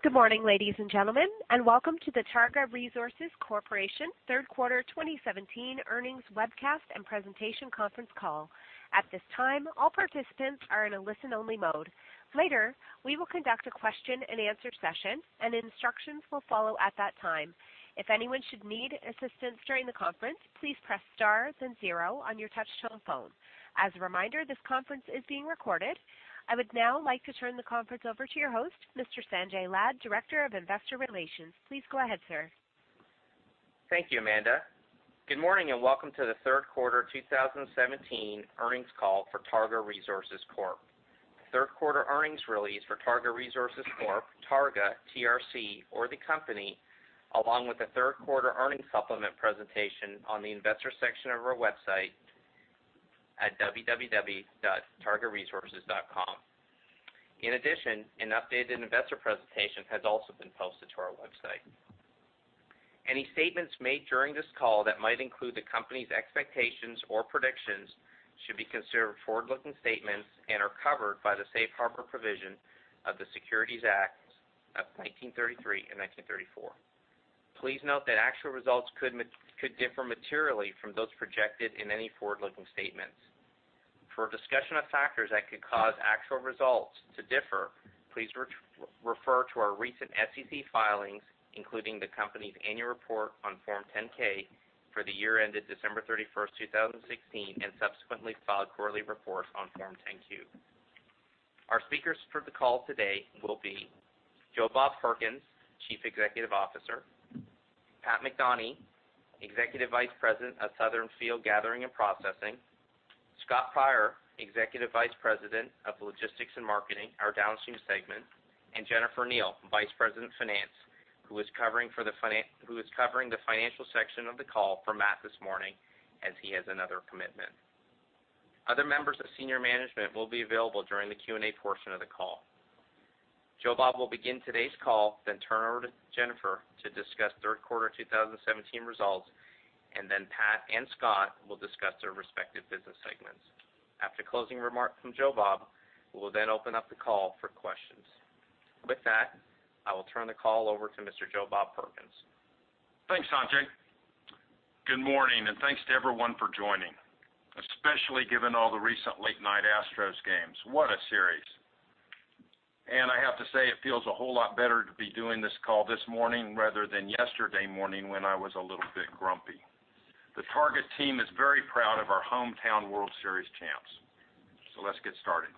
Good morning, ladies and gentlemen, and welcome to the Targa Resources Corporation third quarter 2017 earnings webcast and presentation conference call. At this time, all participants are in a listen-only mode. Later, we will conduct a question and answer session and instructions will follow at that time. If anyone should need assistance during the conference, please press star then zero on your touch-tone phone. As a reminder, this conference is being recorded. I would now like to turn the conference over to your host, Mr. Sanjay Lad, Director of Investor Relations. Please go ahead, sir. Thank you, Amanda. Good morning. Welcome to the third quarter 2017 earnings call for Targa Resources Corp. Third quarter earnings release for Targa Resources Corp., Targa, TRC, or the company, along with the third quarter earnings supplement presentation on the investor section of our website at www.targaresources.com. An updated investor presentation has also been posted to our website. Any statements made during this call that might include the company's expectations or predictions should be considered forward-looking statements and are covered by the safe harbor provision of the Securities Acts of 1933 and 1934. Please note that actual results could differ materially from those projected in any forward-looking statements. For a discussion of factors that could cause actual results to differ, please refer to our recent SEC filings, including the company's annual report on Form 10-K for the year ended December 31st, 2016. Subsequently filed quarterly reports on Form 10-Q. Our speakers for the call today will be Joe Bob Perkins, Chief Executive Officer; Pat McDonie, Executive Vice President of Southern Field Gathering and Processing; Scott Pryor, Executive Vice President of Logistics and Marketing, our downstream segment; Jennifer Kneale, Vice President of Finance, who is covering the financial section of the call for Matt this morning, as he has another commitment. Other members of senior management will be available during the Q&A portion of the call. Joe Bob will begin today's call. Turn over to Jennifer to discuss third quarter 2017 results. Pat and Scott will discuss their respective business segments. After closing remarks from Joe Bob, we will open up the call for questions. With that, I will turn the call over to Mr. Joe Bob Perkins. Thanks, Sanjay. Good morning, and thanks to everyone for joining, especially given all the recent late-night Houston Astros games. What a series. I have to say, it feels a whole lot better to be doing this call this morning rather than yesterday morning when I was a little bit grumpy. The Targa team is very proud of our hometown World Series champs. Let's get started.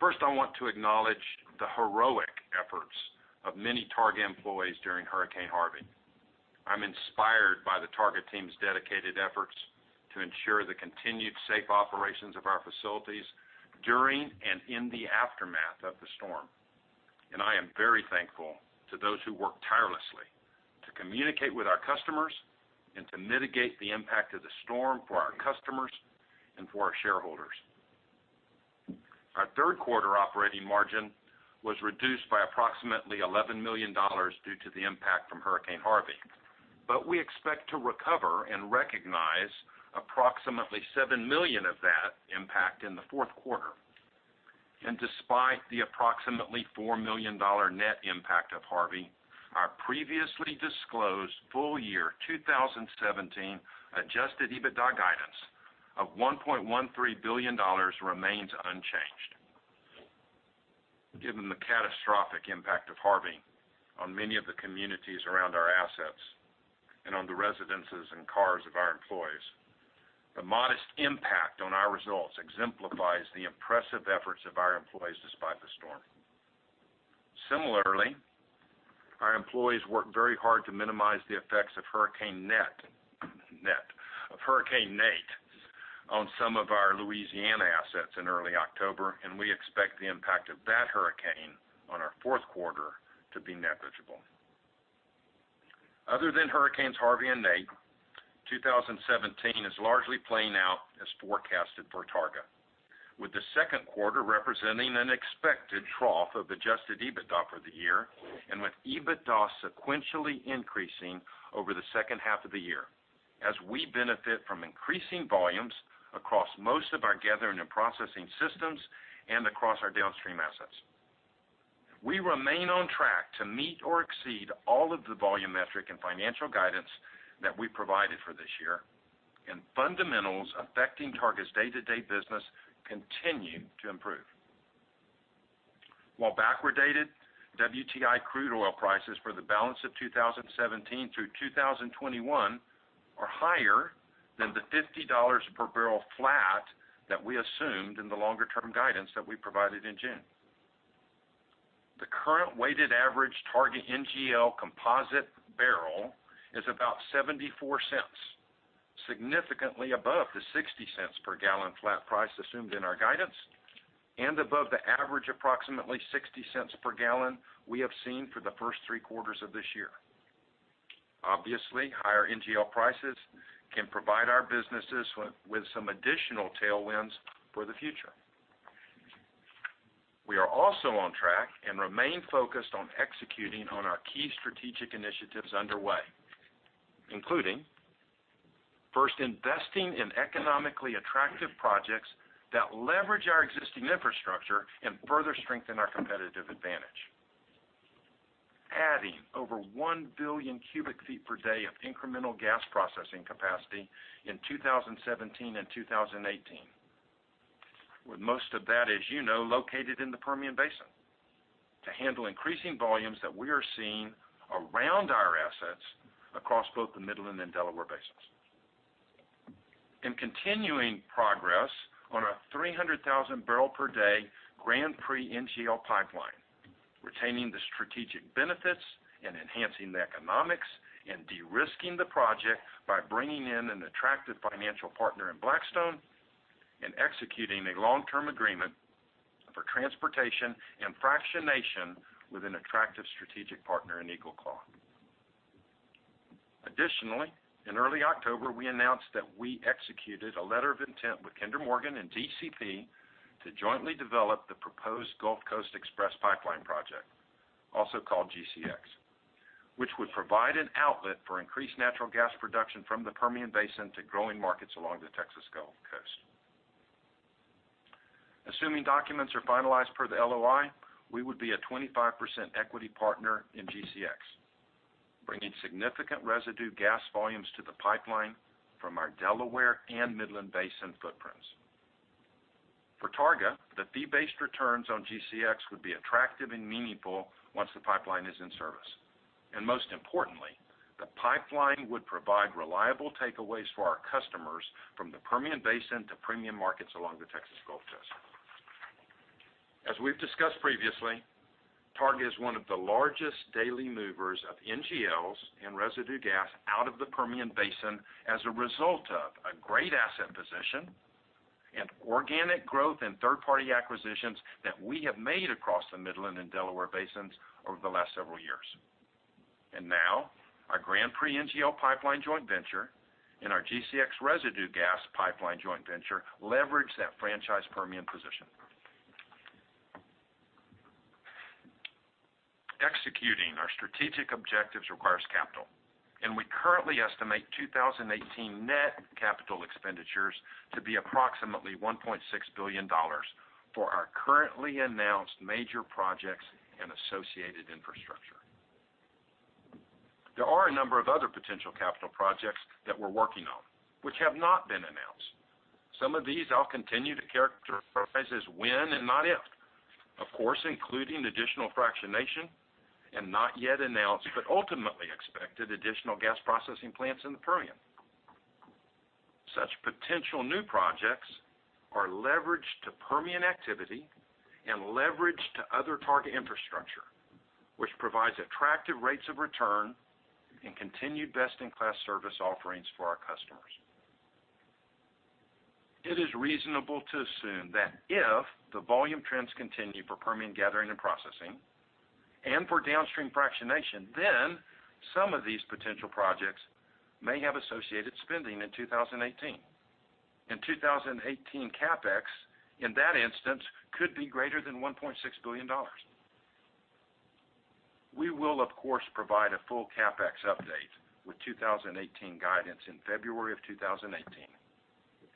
First, I want to acknowledge the heroic efforts of many Targa employees during Hurricane Harvey. I'm inspired by the Targa team's dedicated efforts to ensure the continued safe operations of our facilities during and in the aftermath of the storm. I am very thankful to those who worked tirelessly to communicate with our customers and to mitigate the impact of the storm for our customers and for our shareholders. Our third quarter operating margin was reduced by approximately $11 million due to the impact from Hurricane Harvey. We expect to recover and recognize approximately $7 million of that impact in the fourth quarter. Despite the approximately $4 million net impact of Harvey, our previously disclosed full year 2017 adjusted EBITDA guidance of $1.13 billion remains unchanged. Given the catastrophic impact of Harvey on many of the communities around our assets and on the residences and cars of our employees, the modest impact on our results exemplifies the impressive efforts of our employees despite the storm. Similarly, our employees worked very hard to minimize the effects of Hurricane Nate on some of our Louisiana assets in early October, and we expect the impact of that hurricane on our fourth quarter to be negligible. Other than Hurricanes Harvey and Nate, 2017 is largely playing out as forecasted for Targa, with the second quarter representing an expected trough of adjusted EBITDA for the year and with EBITDA sequentially increasing over the second half of the year as we benefit from increasing volumes across most of our gathering and processing systems and across our downstream assets. We remain on track to meet or exceed all of the volume metric and financial guidance that we provided for this year, and fundamentals affecting Targa's day-to-day business continue to improve. While backwardated, WTI crude oil prices for the balance of 2017 through 2021 are higher than the $50 per barrel flat that we assumed in the longer-term guidance that we provided in June. The current weighted average Targa NGL composite barrel is about $0.74, significantly above the $0.60 per gallon flat price assumed in our guidance and above the average approximately $0.60 per gallon we have seen for the first three quarters of this year. Obviously, higher NGL prices can provide our businesses with some additional tailwinds for the future. We are also on track and remain focused on executing on our key strategic initiatives underway, including First, investing in economically attractive projects that leverage our existing infrastructure and further strengthen our competitive advantage. Adding over 1 billion cubic feet per day of incremental gas processing capacity in 2017 and 2018. With most of that, as you know, located in the Permian Basin to handle increasing volumes that we are seeing around our assets across both the Midland and Delaware Basins. Continuing progress on our 300,000 barrel per day Grand Prix NGL pipeline, retaining the strategic benefits and enhancing the economics and de-risking the project by bringing in an attractive financial partner in Blackstone and executing a long-term agreement for transportation and fractionation with an attractive strategic partner in EagleClaw. Additionally, in early October, we announced that we executed a letter of intent with Kinder Morgan and DCP to jointly develop the proposed Gulf Coast Express Pipeline project, also called GCX, which would provide an outlet for increased natural gas production from the Permian Basin to growing markets along the Texas Gulf Coast. Assuming documents are finalized per the LOI, we would be a 25% equity partner in GCX, bringing significant residue gas volumes to the pipeline from our Delaware and Midland Basin footprints. For Targa, the fee-based returns on GCX would be attractive and meaningful once the pipeline is in service. Most importantly, the pipeline would provide reliable takeaways for our customers from the Permian Basin to premium markets along the Texas Gulf Coast. As we've discussed previously, Targa is one of the largest daily movers of NGLs and residue gas out of the Permian Basin as a result of a great asset position and organic growth and third-party acquisitions that we have made across the Midland and Delaware Basins over the last several years. Now our Grand Prix NGL pipeline joint venture and our GCX residue gas pipeline joint venture leverage that franchise Permian position. Executing our strategic objectives requires capital, and we currently estimate 2018 net capital expenditures to be approximately $1.6 billion for our currently announced major projects and associated infrastructure. There are a number of other potential capital projects that we're working on, which have not been announced. Some of these I'll continue to characterize as when and not if. Of course, including additional fractionation and not yet announced, but ultimately expected additional gas processing plants in the Permian. Such potential new projects are leveraged to Permian activity and leveraged to other Targa infrastructure, which provides attractive rates of return and continued best-in-class service offerings for our customers. It is reasonable to assume that if the volume trends continue for Permian gathering and processing and for downstream fractionation, then some of these potential projects may have associated spending in 2018. 2018 CapEx, in that instance, could be greater than $1.6 billion. We will, of course, provide a full CapEx update with 2018 guidance in February of 2018,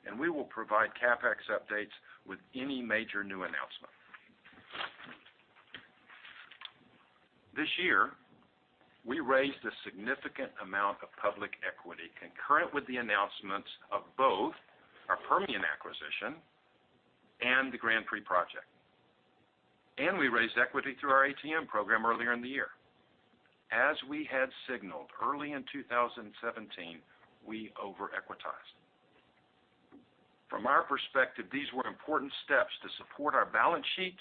and we will provide CapEx updates with any major new announcement. This year, we raised a significant amount of public equity concurrent with the announcements of both our Permian acquisition and the Grand Prix project. We raised equity through our ATM program earlier in the year. As we had signaled early in 2017, we over-equitized. From our perspective, these were important steps to support our balance sheet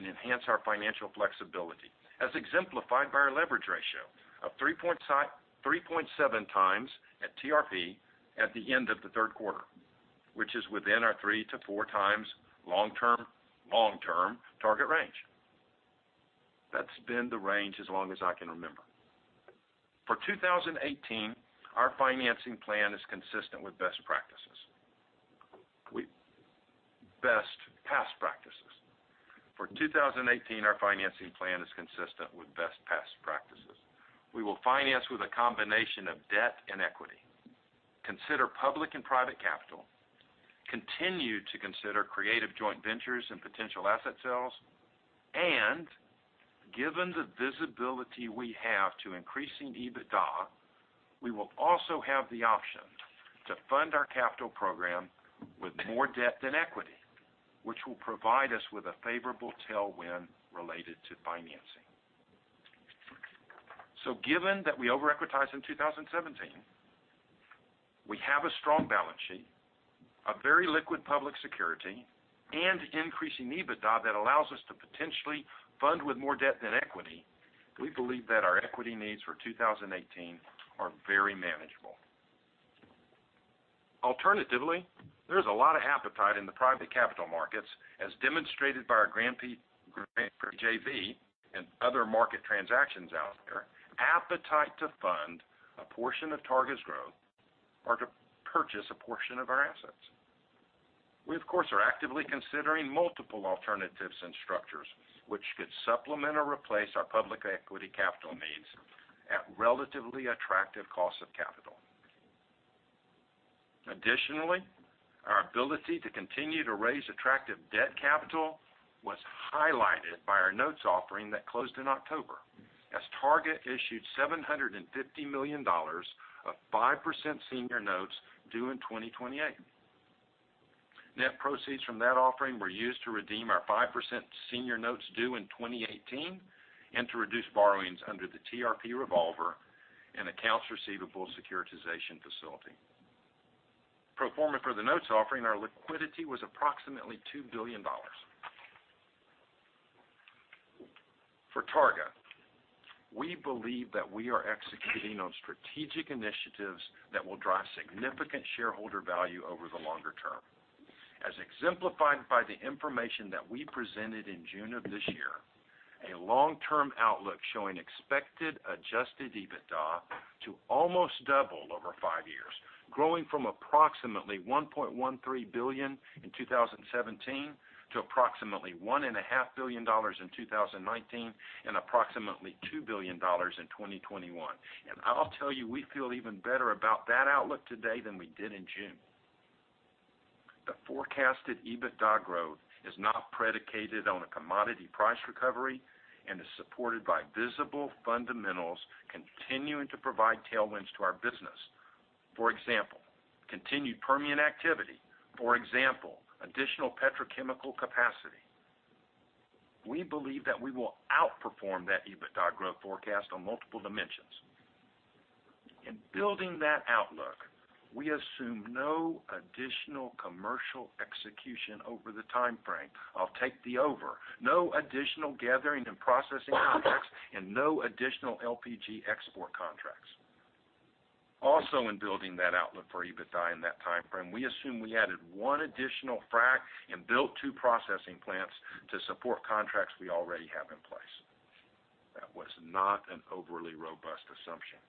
and enhance our financial flexibility, as exemplified by our leverage ratio of 3.7 times at TRP at the end of the third quarter, which is within our 3 to 4 times long-term target range. That's been the range as long as I can remember. For 2018, our financing plan is consistent with best past practices. We will finance with a combination of debt and equity, consider public and private capital, continue to consider creative joint ventures and potential asset sales. Given the visibility we have to increasing EBITDA, we will also have the option to fund our capital program with more debt than equity, which will provide us with a favorable tailwind related to financing. Given that we over-equitized in 2017, we have a strong balance sheet, a very liquid public security, and increasing EBITDA that allows us to potentially fund with more debt than equity. We believe that our equity needs for 2018 are very manageable. Alternatively, there's a lot of appetite in the private capital markets, as demonstrated by our Grand Prix JV and other market transactions out there, appetite to fund a portion of Targa's growth or to purchase a portion of our assets. We, of course, are actively considering multiple alternatives and structures which could supplement or replace our public equity capital needs at relatively attractive costs of capital. Additionally, our ability to continue to raise attractive debt capital was highlighted by our notes offering that closed in October as Targa issued $750 million of 5% senior notes due in 2028. Net proceeds from that offering were used to redeem our 5% senior notes due in 2018 and to reduce borrowings under the TRP revolver and accounts receivable securitization facility. Pro forma for the notes offering, our liquidity was approximately $2 billion. For Targa, we believe that we are executing on strategic initiatives that will drive significant shareholder value over the longer term. As exemplified by the information that we presented in June of this year, a long-term outlook showing expected adjusted EBITDA to almost double over five years, growing from approximately $1.13 billion in 2017 to approximately $1.5 billion in 2019 and approximately $2 billion in 2021. I'll tell you, we feel even better about that outlook today than we did in June. The forecasted EBITDA growth is not predicated on a commodity price recovery and is supported by visible fundamentals continuing to provide tailwinds to our business. For example, continued Permian activity. For example, additional petrochemical capacity. We believe that we will outperform that EBITDA growth forecast on multiple dimensions. In building that outlook, we assume no additional commercial execution over the timeframe. I'll take the over. No additional gathering and processing contracts and no additional LPG export contracts. Also in building that outlook for EBITDA in that timeframe, we assume we added one additional frac and built two processing plants to support contracts we already have in place. That was not an overly robust assumption.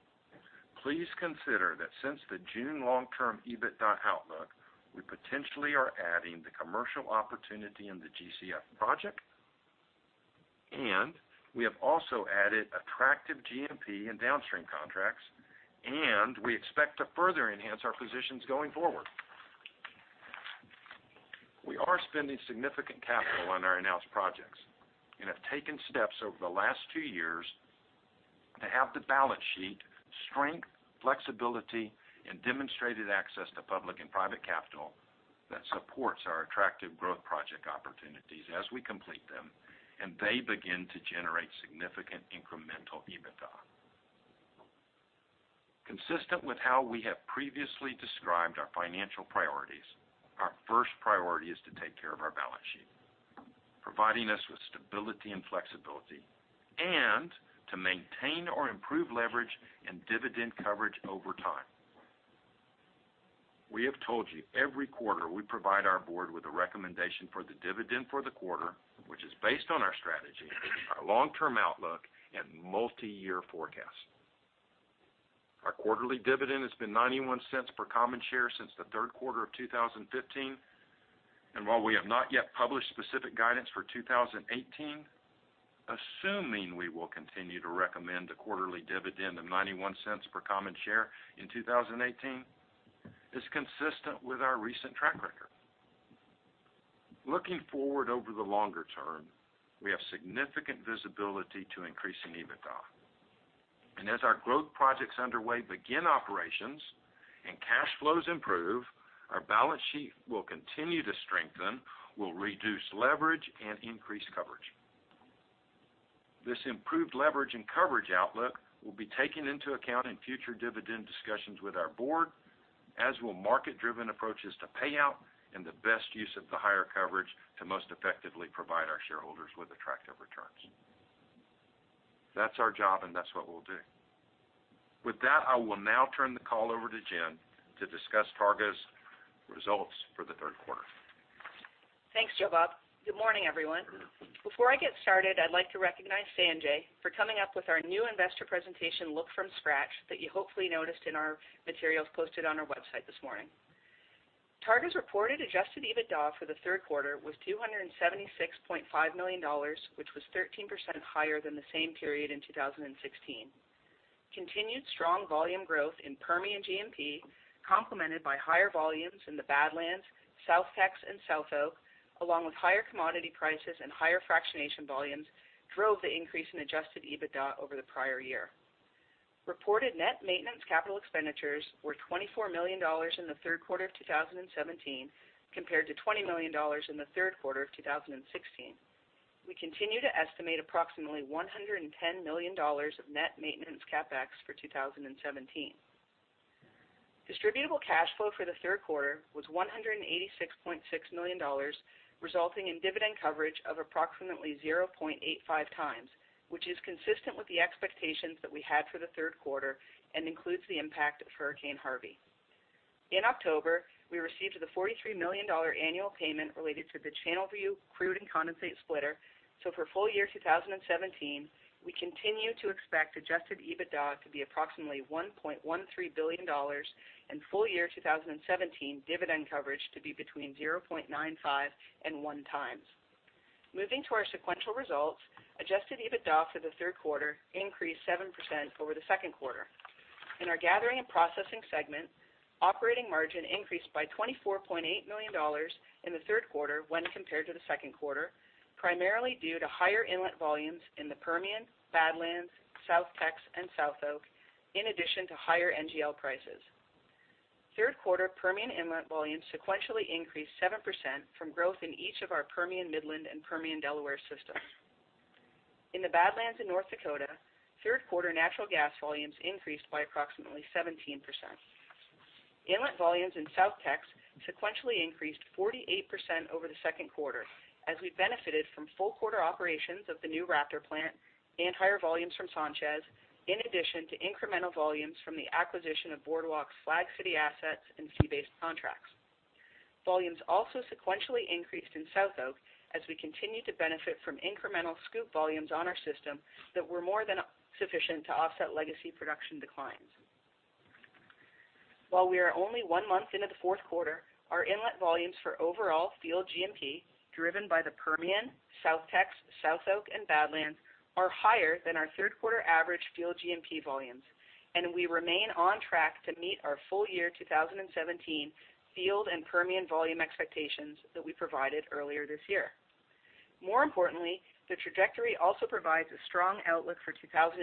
Please consider that since the June long-term EBITDA outlook, we potentially are adding the commercial opportunity in the GCX project, and we have also added attractive G&P and downstream contracts, and we expect to further enhance our positions going forward. We are spending significant capital on our announced projects and have taken steps over the last two years to have the balance sheet strength, flexibility, and demonstrated access to public and private capital that supports our attractive growth project opportunities as we complete them and they begin to generate significant incremental EBITDA. Consistent with how we have previously described our financial priorities, our first priority is to take care of our balance sheet, providing us with stability and flexibility, and to maintain or improve leverage and dividend coverage over time. We have told you every quarter we provide our board with a recommendation for the dividend for the quarter, which is based on our strategy, our long-term outlook, and multi-year forecast. Our quarterly dividend has been $0.91 per common share since the third quarter of 2015. While we have not yet published specific guidance for 2018, assuming we will continue to recommend a quarterly dividend of $0.91 per common share in 2018 is consistent with our recent track record. Looking forward over the longer term, we have significant visibility to increasing EBITDA. As our growth projects underway begin operations and cash flows improve, our balance sheet will continue to strengthen, we'll reduce leverage, and increase coverage. This improved leverage and coverage outlook will be taken into account in future dividend discussions with our board, as will market-driven approaches to payout and the best use of the higher coverage to most effectively provide our shareholders with attractive returns. That's our job, and that's what we'll do. With that, I will now turn the call over to Jen to discuss Targa's results for the third quarter. Thanks, Joe Bob. Good morning, everyone. Before I get started, I'd like to recognize Sanjay for coming up with our new investor presentation look from scratch that you hopefully noticed in our materials posted on our website this morning. Targa's reported adjusted EBITDA for the third quarter was $276.5 million, which was 13% higher than the same period in 2016. Continued strong volume growth in Permian G&P, complemented by higher volumes in the Badlands, South Texas, and SouthOK, along with higher commodity prices and higher fractionation volumes, drove the increase in adjusted EBITDA over the prior year. Reported net maintenance capital expenditures were $24 million in the third quarter of 2017, compared to $20 million in the third quarter of 2016. We continue to estimate approximately $110 million of net maintenance CapEx for 2017. Distributable cash flow for the third quarter was $186.6 million, resulting in dividend coverage of approximately 0.85 times, which is consistent with the expectations that we had for the third quarter and includes the impact of Hurricane Harvey. In October, we received the $43 million annual payment related to the Channelview crude and condensate splitter. For full year 2017, we continue to expect adjusted EBITDA to be approximately $1.13 billion and full year 2017 dividend coverage to be between 0.95 and 1 times. Moving to our sequential results, adjusted EBITDA for the third quarter increased 7% over the second quarter. In our Gathering and Processing segment, operating margin increased by $24.8 million in the third quarter when compared to the second quarter, primarily due to higher inlet volumes in the Permian, Badlands, South Texas, and SouthOK, in addition to higher NGL prices. Third quarter Permian inlet volumes sequentially increased 7% from growth in each of our Permian Midland and Permian Delaware systems. In the Badlands in North Dakota, third quarter natural gas volumes increased by approximately 17%. Inlet volumes in South Texas sequentially increased 48% over the second quarter, as we benefited from full-quarter operations of the new Raptor Plant and higher volumes from Sanchez, in addition to incremental volumes from the acquisition of Boardwalk's Flag City assets and fee-based contracts. Volumes also sequentially increased in SouthOK as we continued to benefit from incremental SCOOP volumes on our system that were more than sufficient to offset legacy production declines. While we are only one month into the fourth quarter, our inlet volumes for overall field G&P, driven by the Permian, South Texas, SouthOK, and Badlands, are higher than our third quarter average field G&P volumes, and we remain on track to meet our full-year 2017 field and Permian volume expectations that we provided earlier this year. More importantly, the trajectory also provides a strong outlook for 2018.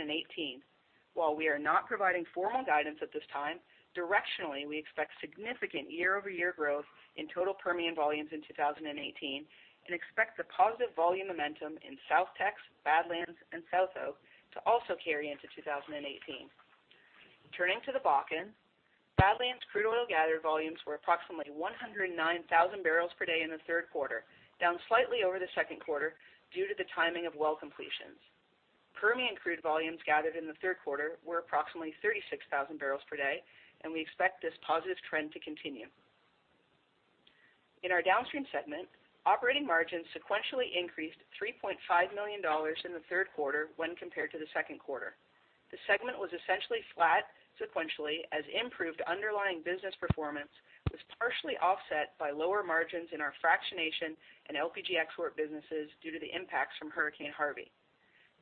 While we are not providing formal guidance at this time, directionally, we expect significant year-over-year growth in total Permian volumes in 2018 and expect the positive volume momentum in South Texas, Badlands, and SouthOK to also carry into 2018. Turning to the Bakken, Badlands crude oil gathered volumes were approximately 109,000 barrels per day in the third quarter, down slightly over the second quarter due to the timing of well completions. Permian crude volumes gathered in the third quarter were approximately 36,000 barrels per day, and we expect this positive trend to continue. In our Downstream segment, operating margins sequentially increased $3.5 million in the third quarter when compared to the second quarter. The segment was essentially flat sequentially as improved underlying business performance was partially offset by lower margins in our fractionation and LPG export businesses due to the impacts from Hurricane Harvey.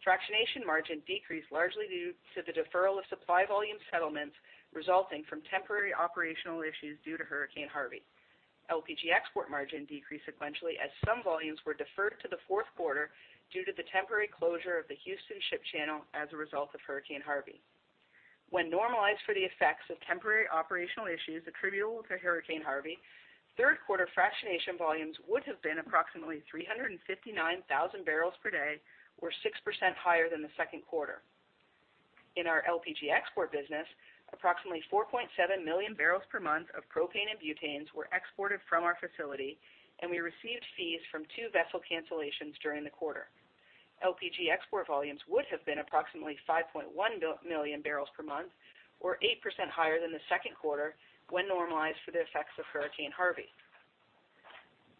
Fractionation margin decreased largely due to the deferral of supply volume settlements resulting from temporary operational issues due to Hurricane Harvey. LPG export margin decreased sequentially as some volumes were deferred to the fourth quarter due to the temporary closure of the Houston Ship Channel as a result of Hurricane Harvey. When normalized for the effects of temporary operational issues attributable to Hurricane Harvey, third quarter fractionation volumes would have been approximately 359,000 barrels per day or 6% higher than the second quarter. In our LPG export business, approximately 4.7 million barrels per month of propane and butanes were exported from our facility, and we received fees from two vessel cancellations during the quarter. LPG export volumes would have been approximately 5.1 million barrels per month or 8% higher than the second quarter when normalized for the effects of Hurricane Harvey.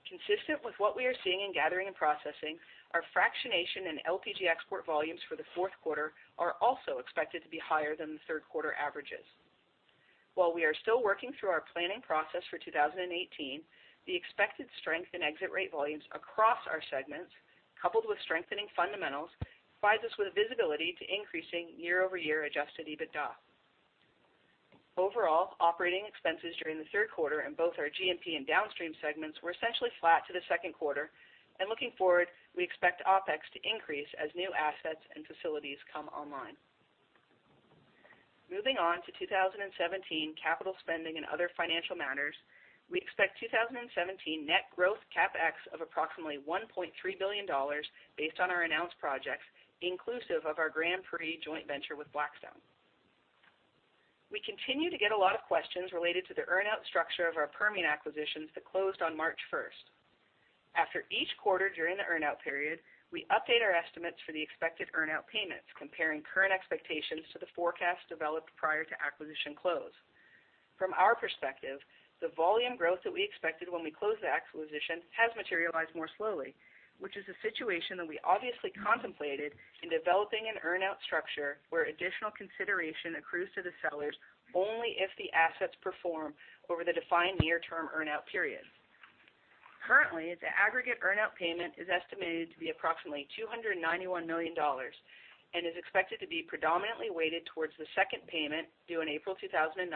Consistent with what we are seeing in Gathering and Processing, our fractionation and LPG export volumes for the fourth quarter are also expected to be higher than the third quarter averages. While we are still working through our planning process for 2018, the expected strength in exit rate volumes across our segments, coupled with strengthening fundamentals, provides us with visibility to increasing year-over-year adjusted EBITDA. Overall, operating expenses during the third quarter in both our G&P and Downstream segments were essentially flat to the second quarter. Looking forward, we expect OpEx to increase as new assets and facilities come online. Moving on to 2017 capital spending and other financial matters, we expect 2017 net growth CapEx of approximately $1.3 billion based on our announced projects, inclusive of our Grand Prix joint venture with Blackstone. We continue to get a lot of questions related to the earnout structure of our Permian acquisitions that closed on March 1st. After each quarter during the earnout period, we update our estimates for the expected earnout payments, comparing current expectations to the forecast developed prior to acquisition close. From our perspective, the volume growth that we expected when we closed the acquisition has materialized more slowly, which is a situation that we obviously contemplated in developing an earnout structure where additional consideration accrues to the sellers only if the assets perform over the defined near-term earnout period. Currently, the aggregate earnout payment is estimated to be approximately $291 million and is expected to be predominantly weighted towards the second payment due in April 2019,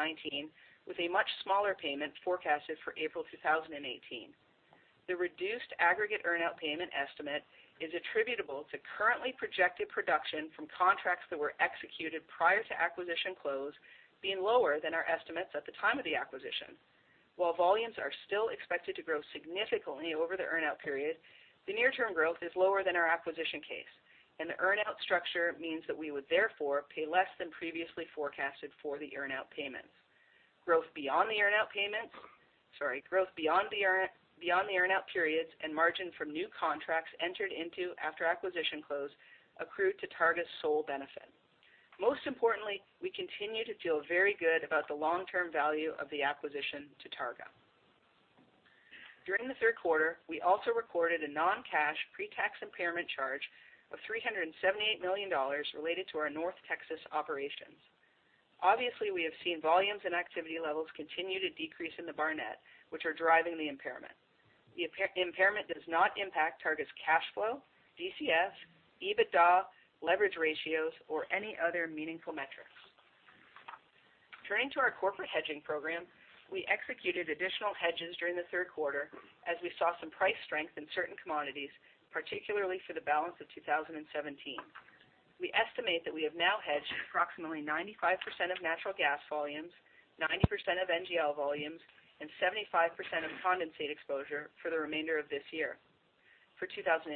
with a much smaller payment forecasted for April 2018. The reduced aggregate earnout payment estimate is attributable to currently projected production from contracts that were executed prior to acquisition close being lower than our estimates at the time of the acquisition. While volumes are still expected to grow significantly over the earnout period, the near-term growth is lower than our acquisition case. The earnout structure means that we would therefore pay less than previously forecasted for the earnout payments. Growth beyond the earnout periods and margin from new contracts entered into after acquisition close accrue to Targa's sole benefit. Most importantly, we continue to feel very good about the long-term value of the acquisition to Targa. During the third quarter, we also recorded a non-cash pre-tax impairment charge of $378 million related to our North Texas operations. Obviously, we have seen volumes and activity levels continue to decrease in the Barnett, which are driving the impairment. The impairment does not impact Targa's cash flow, DCF, EBITDA, leverage ratios, or any other meaningful metrics. Turning to our corporate hedging program, we executed additional hedges during the third quarter as we saw some price strength in certain commodities, particularly for the balance of 2017. We estimate that we have now hedged approximately 95% of natural gas volumes, 90% of NGL volumes, and 75% of condensate exposure for the remainder of this year. For 2018,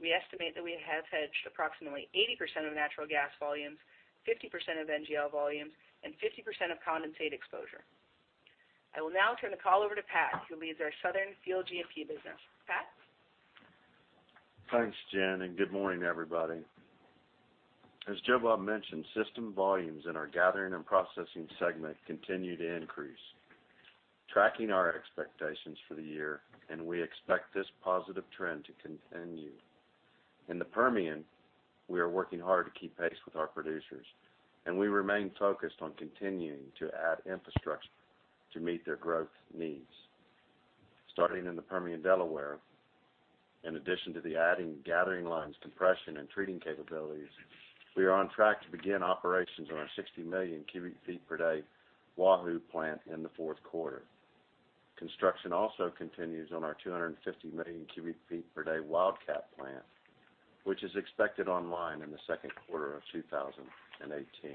we estimate that we have hedged approximately 80% of natural gas volumes, 50% of NGL volumes, and 50% of condensate exposure. I will now turn the call over to Pat, who leads our Southern Field G&P business. Pat? Thanks, Jen, good morning, everybody. As Joe Bob mentioned, system volumes in our Gathering and Processing segment continue to increase, tracking our expectations for the year. We expect this positive trend to continue. In the Permian, we are working hard to keep pace with our producers. We remain focused on continuing to add infrastructure to meet their growth needs. Starting in the Permian Delaware, in addition to the adding gathering lines compression and treating capabilities, we are on track to begin operations on our 60 million cubic feet per day Oahu Plant in the fourth quarter. Construction also continues on our 250 million cubic feet per day Wildcat Plant, which is expected online in the second quarter of 2018.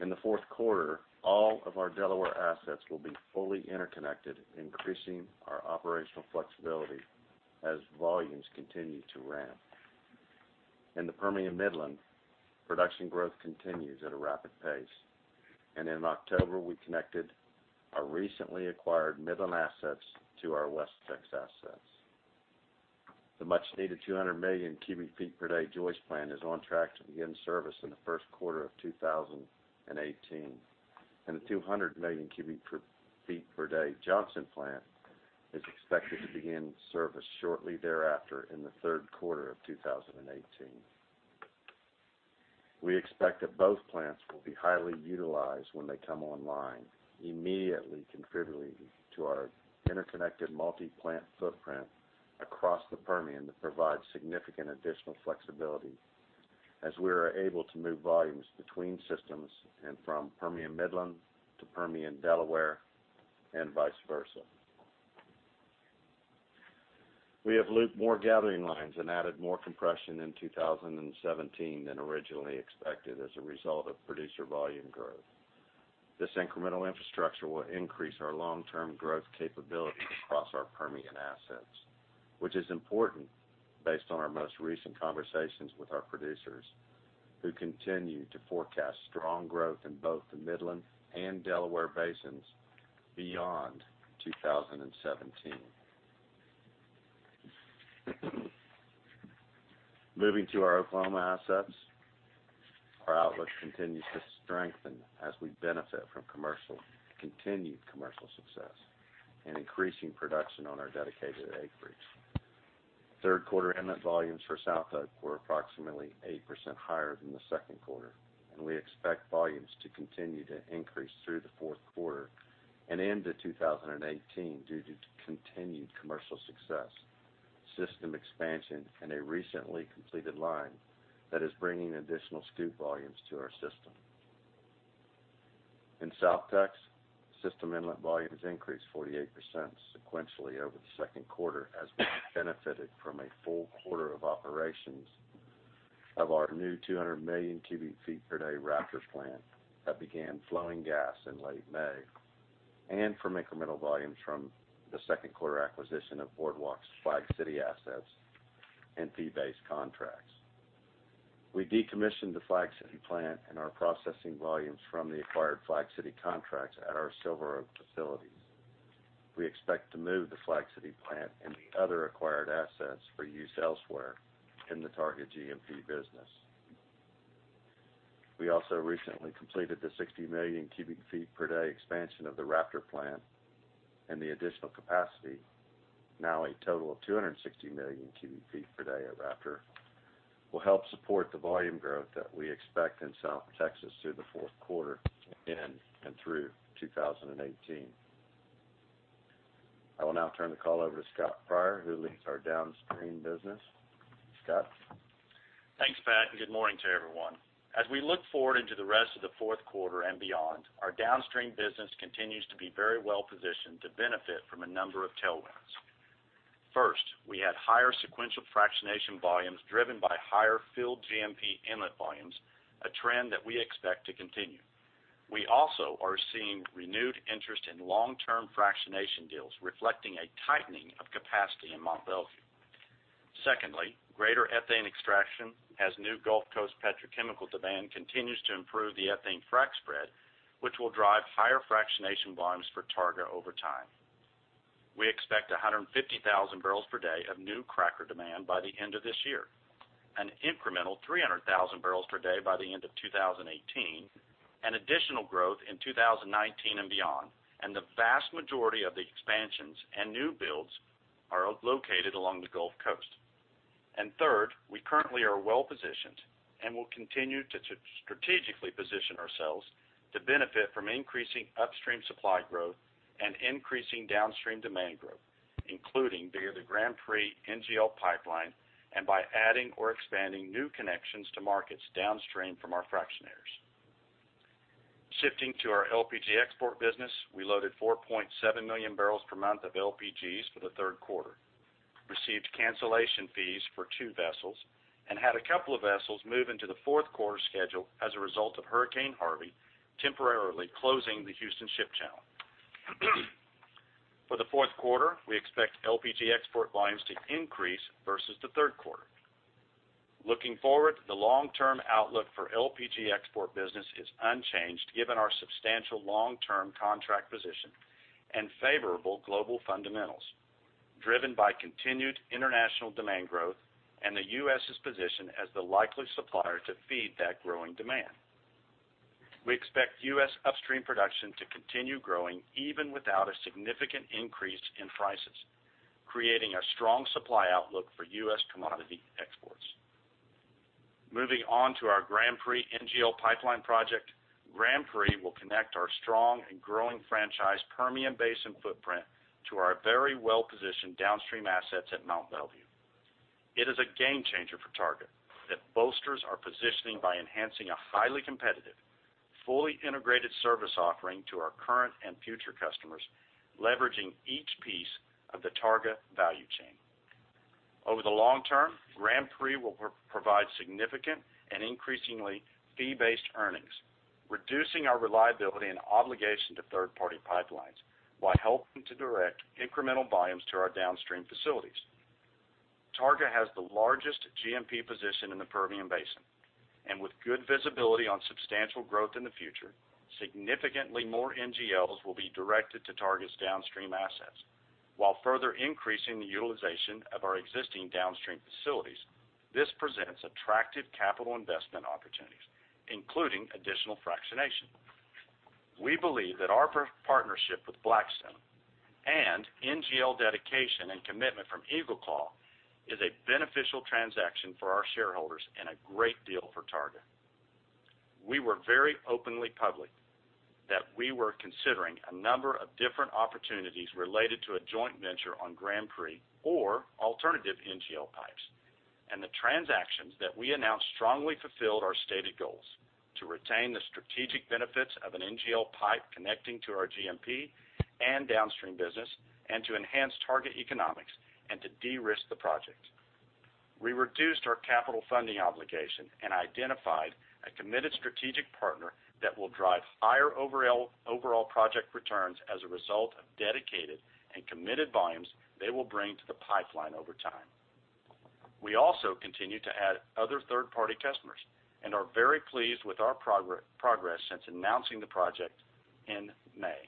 In the fourth quarter, all of our Delaware assets will be fully interconnected, increasing our operational flexibility as volumes continue to ramp. In the Permian Midland, production growth continues at a rapid pace. In October, we connected our recently acquired Midland assets to our WestTX assets. The much-needed 200 million cubic feet per day Joyce Plant is on track to begin service in the first quarter of 2018. The 200 million cubic feet per day Johnson Plant is expected to begin service shortly thereafter in the third quarter of 2018. We expect that both plants will be highly utilized when they come online, immediately contributing to our interconnected multi-plant footprint across the Permian to provide significant additional flexibility as we are able to move volumes between systems from Permian Midland to Permian Delaware and vice versa. We have looped more gathering lines added more compression in 2017 than originally expected as a result of producer volume growth. This incremental infrastructure will increase our long-term growth capability across our Permian assets, which is important based on our most recent conversations with our producers, who continue to forecast strong growth in both the Midland and Delaware basins beyond 2017. Moving to our Oklahoma assets, our outlook continues to strengthen as we benefit from continued commercial success and increasing production on our dedicated acreage. Third quarter inlet volumes for SouthOK were approximately 8% higher than the second quarter. We expect volumes to continue to increase through the fourth quarter and into 2018 due to continued commercial success, system expansion, a recently completed line that is bringing additional SouthOK volumes to our system. In South Texas, system inlet volumes increased 48% sequentially over the second quarter as we benefited from a full quarter of operations of our new 200 million cubic feet per day Raptor Plant that began flowing gas in late May, from incremental volumes from the second quarter acquisition of Boardwalk's Flag City assets and fee-based contracts. We decommissioned the Flag City plant and our processing volumes from the acquired Flag City contracts at our Silver Oak facilities. We expect to move the Flag City plant and the other acquired assets for use elsewhere in the Targa G&P business. We also recently completed the 60 million cubic feet per day expansion of the Raptor Plant. The additional capacity, now a total of 260 million cubic feet per day at Raptor, will help support the volume growth that we expect in South Texas through the fourth quarter and through 2018. I will now turn the call over to Scott Pryor, who leads our downstream business. Scott? Thanks, Pat, and good morning to everyone. As we look forward into the rest of the fourth quarter and beyond, our downstream business continues to be very well positioned to benefit from a number of tailwinds. First, we had higher sequential fractionation volumes driven by higher field G&P inlet volumes, a trend that we expect to continue. We also are seeing renewed interest in long-term fractionation deals, reflecting a tightening of capacity in Mont Belvieu. Secondly, greater ethane extraction as new Gulf Coast petrochemical demand continues to improve the ethane frac spread, which will drive higher fractionation volumes for Targa over time. We expect 150,000 barrels per day of new cracker demand by the end of this year, an incremental 300,000 barrels per day by the end of 2018. Additional growth in 2019 and beyond, the vast majority of the expansions and new builds are located along the Gulf Coast. Third, we currently are well-positioned and will continue to strategically position ourselves to benefit from increasing upstream supply growth and increasing downstream demand growth, including via the Grand Prix NGL Pipeline and by adding or expanding new connections to markets downstream from our fractionators. Shifting to our LPG export business, we loaded 4.7 million barrels per month of LPGs for the third quarter, received cancellation fees for two vessels, and had a couple of vessels move into the fourth quarter schedule as a result of Hurricane Harvey temporarily closing the Houston Ship Channel. For the fourth quarter, we expect LPG export volumes to increase versus the third quarter. Looking forward, the long-term outlook for LPG export business is unchanged given our substantial long-term contract position and favorable global fundamentals driven by continued international demand growth and the U.S.'s position as the likely supplier to feed that growing demand. We expect U.S. upstream production to continue growing even without a significant increase in prices, creating a strong supply outlook for U.S. commodity exports. Moving on to our Grand Prix NGL Pipeline project. Grand Prix will connect our strong and growing franchise Permian Basin footprint to our very well-positioned downstream assets at Mont Belvieu. It is a game changer for Targa that bolsters our positioning by enhancing a highly competitive, fully integrated service offering to our current and future customers, leveraging each piece of the Targa value chain. Over the long term, Grand Prix will provide significant and increasingly fee-based earnings, reducing our reliance and obligation to third-party pipelines while helping to direct incremental volumes to our downstream facilities. Targa has the largest G&P position in the Permian Basin, with good visibility on substantial growth in the future, significantly more NGLs will be directed to Targa's downstream assets while further increasing the utilization of our existing downstream facilities. This presents attractive capital investment opportunities, including additional fractionation. We believe that our partnership with Blackstone and NGL dedication and commitment from EagleClaw is a beneficial transaction for our shareholders and a great deal for Targa. We were very openly public that we were considering a number of different opportunities related to a joint venture on Grand Prix or alternative NGL pipes. The transactions that we announced strongly fulfilled our stated goals to retain the strategic benefits of an NGL pipe connecting to our G&P and downstream business and to enhance Targa economics and to de-risk the project. We reduced our capital funding obligation and identified a committed strategic partner that will drive higher overall project returns as a result of dedicated and committed volumes they will bring to the pipeline over time. We also continue to add other third-party customers and are very pleased with our progress since announcing the project in May.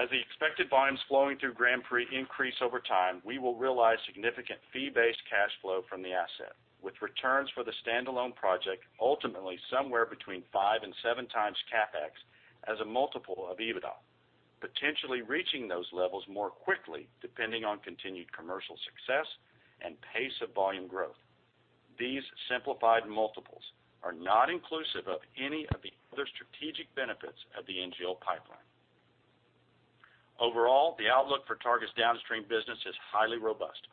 As the expected volumes flowing through Grand Prix increase over time, we will realize significant fee-based cash flow from the asset, with returns for the standalone project ultimately somewhere between five and seven times CapEx as a multiple of EBITDA, potentially reaching those levels more quickly depending on continued commercial success and pace of volume growth. These simplified multiples are not inclusive of any of the other strategic benefits of the NGL pipeline. Overall, the outlook for Targa's downstream business is highly robust,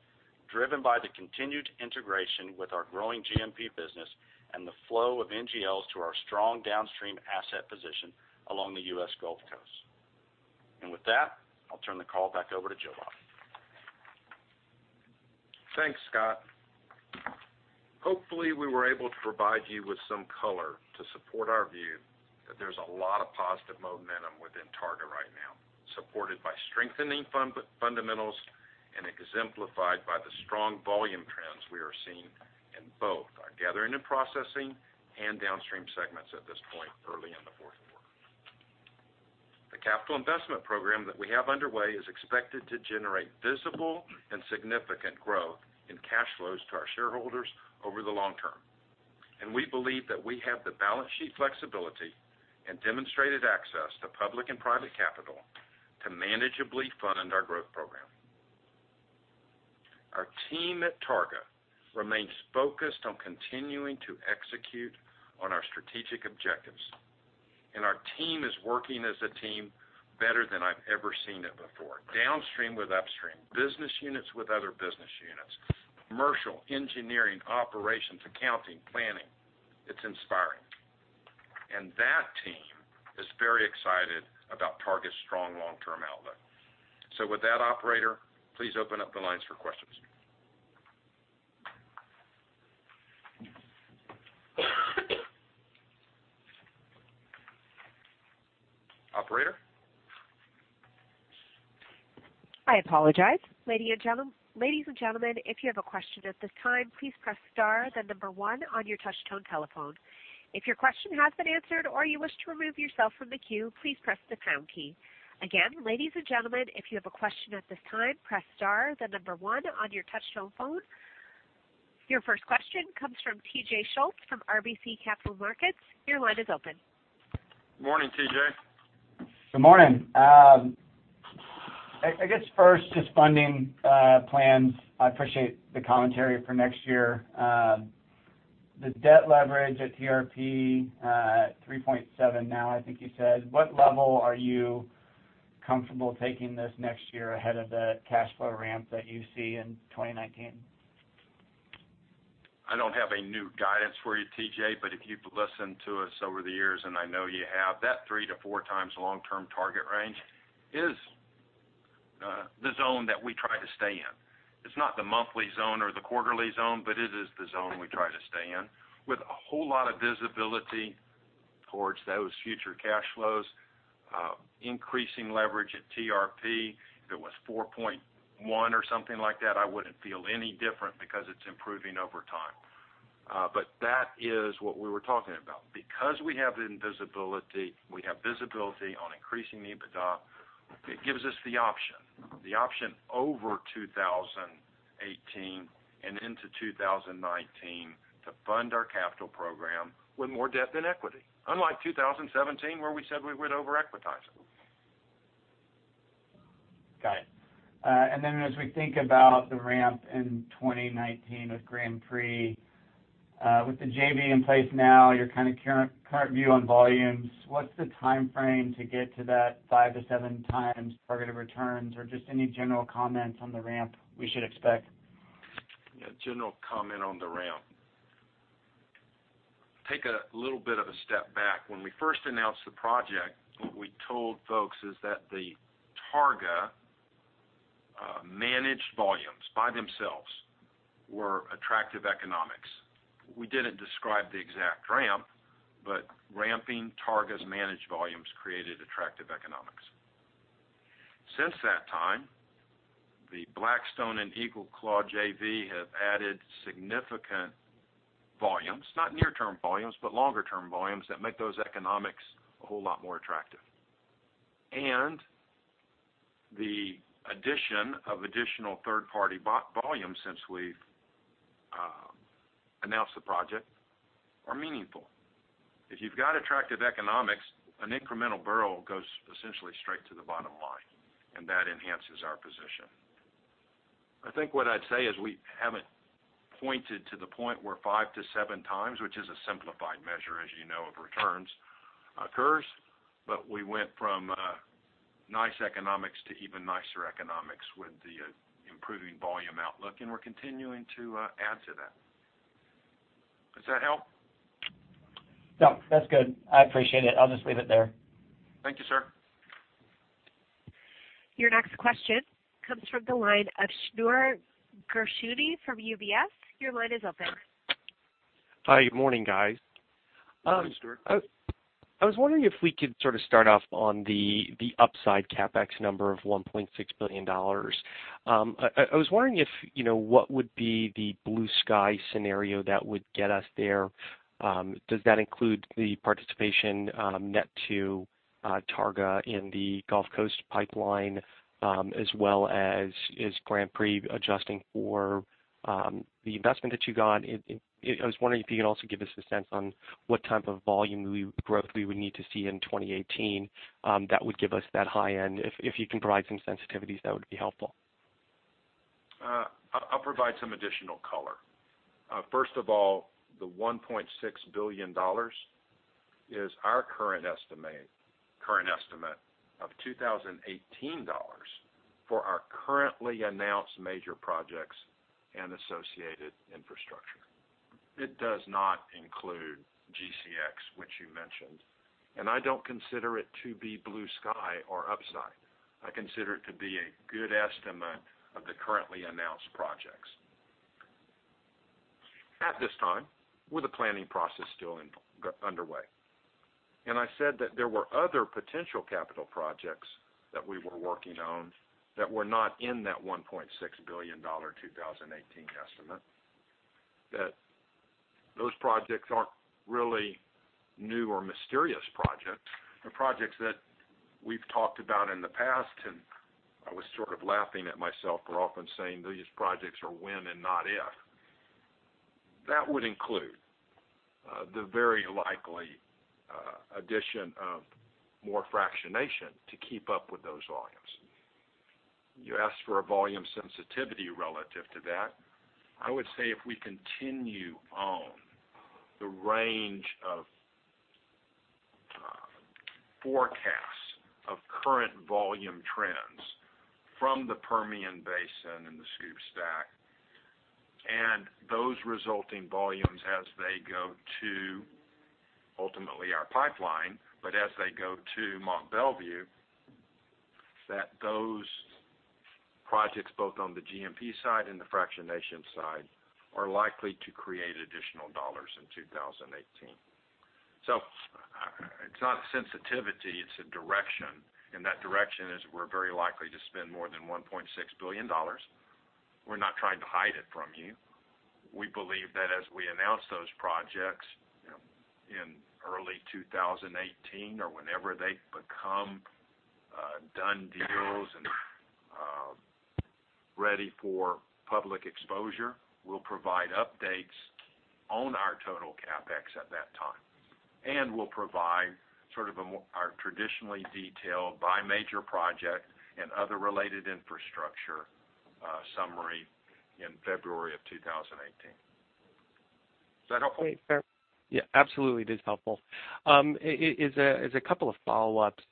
driven by the continued integration with our growing G&P business and the flow of NGLs to our strong downstream asset position along the U.S. Gulf Coast. With that, I'll turn the call back over to Joe Bob. Thanks, Scott. Hopefully, we were able to provide you with some color to support our view that there's a lot of positive momentum within Targa right now, supported by strengthening fundamentals and exemplified by the strong volume trends we are seeing in both our gathering and processing and downstream segments at this point early in the fourth quarter. The capital investment program that we have underway is expected to generate visible and significant growth in cash flows to our shareholders over the long term. We believe that we have the balance sheet flexibility and demonstrated access to public and private capital to manageably fund our growth program. Our team at Targa remains focused on continuing to execute on our strategic objectives, our team is working as a team better than I've ever seen it before. Downstream with upstream, business units with other business units, commercial, engineering, operations, accounting, planning. It's inspiring. That team is very excited about Targa's strong long-term outlook. With that, operator, please open up the lines for questions. Operator? I apologize. Ladies and gentlemen, if you have a question at this time, please press star then number 1 on your touch-tone telephone. If your question has been answered or you wish to remove yourself from the queue, please press the pound key. Again, ladies and gentlemen, if you have a question at this time, press star then number 1 on your touch-tone phone. Your first question comes from T.J. Schultz from RBC Capital Markets. Your line is open. Morning, T.J. Good morning. I guess first, just funding plans. I appreciate the commentary for next year. The debt leverage at TRP, 3.7 now I think you said. What level are you comfortable taking this next year ahead of the cash flow ramp that you see in 2019? I don't have a new guidance for you, T.J., but if you've listened to us over the years, and I know you have, that three to four times long-term target range is the zone that we try to stay in. It's not the monthly zone or the quarterly zone, but it is the zone we try to stay in. With a whole lot of visibility towards those future cash flows, increasing leverage at TRP. If it was 4.1 or something like that, I wouldn't feel any different because it's improving over time. That is what we were talking about. Because we have visibility on increasing the EBITDA, it gives us the option. The option over 2018 and into 2019 to fund our capital program with more debt than equity, unlike 2017, where we said we would over-equitize it. Got it. As we think about the ramp in 2019 with Grand Prix, with the JV in place now, your kind of current view on volumes, what's the timeframe to get to that five to seven times targeted returns or just any general comments on the ramp we should expect? Yeah, general comment on the ramp. Take a little bit of a step back. When we first announced the project, what we told folks is that the Targa managed volumes by themselves were attractive economics. We didn't describe the exact ramp, but ramping Targa's managed volumes created attractive economics. Since that time, the Blackstone and EagleClaw JV have added significant volumes, not near-term volumes, but longer-term volumes that make those economics a whole lot more attractive. The addition of additional third-party volume since we've announced the project are meaningful. If you've got attractive economics, an incremental barrel goes essentially straight to the bottom line, and that enhances our position. I think what I'd say is we haven't pointed to the point where five to seven times, which is a simplified measure, as you know, of returns occurs, but we went from nice economics to even nicer economics with the improving volume outlook, we're continuing to add to that. Does that help? Yeah, that's good. I appreciate it. I'll just leave it there. Thank you, sir. Your next question comes from the line of Shneur Gershuni from UBS. Your line is open. Hi. Good morning, guys. Hi, Stuart. I was wondering if we could sort of start off on the upside CapEx number of $1.6 billion. I was wondering what would be the blue sky scenario that would get us there. Does that include the participation net to Targa in the Gulf Coast pipeline as well as is Grand Prix adjusting for the investment that you got? I was wondering if you could also give us a sense on what type of volume growth we would need to see in 2018 that would give us that high end. If you can provide some sensitivities, that would be helpful. I'll provide some additional color. First of all, the $1.6 billion is our current estimate of 2018 dollars for our currently announced major projects and associated infrastructure. It does not include GCX, which you mentioned, and I don't consider it to be blue sky or upside. I consider it to be a good estimate of the currently announced projects at this time with the planning process still underway. I said that there were other potential capital projects that we were working on that were not in that $1.6 billion 2018 estimate, that those projects aren't really new or mysterious projects. They're projects that we've talked about in the past, and I was sort of laughing at myself for often saying these projects are when and not if. That would include the very likely addition of more fractionation to keep up with those volumes. You asked for a volume sensitivity relative to that. I would say if we continue on the range of forecasts of current volume trends from the Permian Basin and the SCOOP Stack, and those resulting volumes as they go to ultimately our pipeline, but as they go to Mont Belvieu, that those projects, both on the G&P side and the fractionation side, are likely to create additional dollars in 2018. It's not a sensitivity, it's a direction, and that direction is we're very likely to spend more than $1.6 billion. We're not trying to hide it from you. We believe that as we announce those projects 2018 or whenever they become done deals and ready for public exposure, we'll provide updates on our total CapEx at that time. We'll provide our traditionally detailed by major project and other related infrastructure summary in February of 2018. Is that helpful? Yeah, absolutely. It is helpful. As a couple of follow-ups,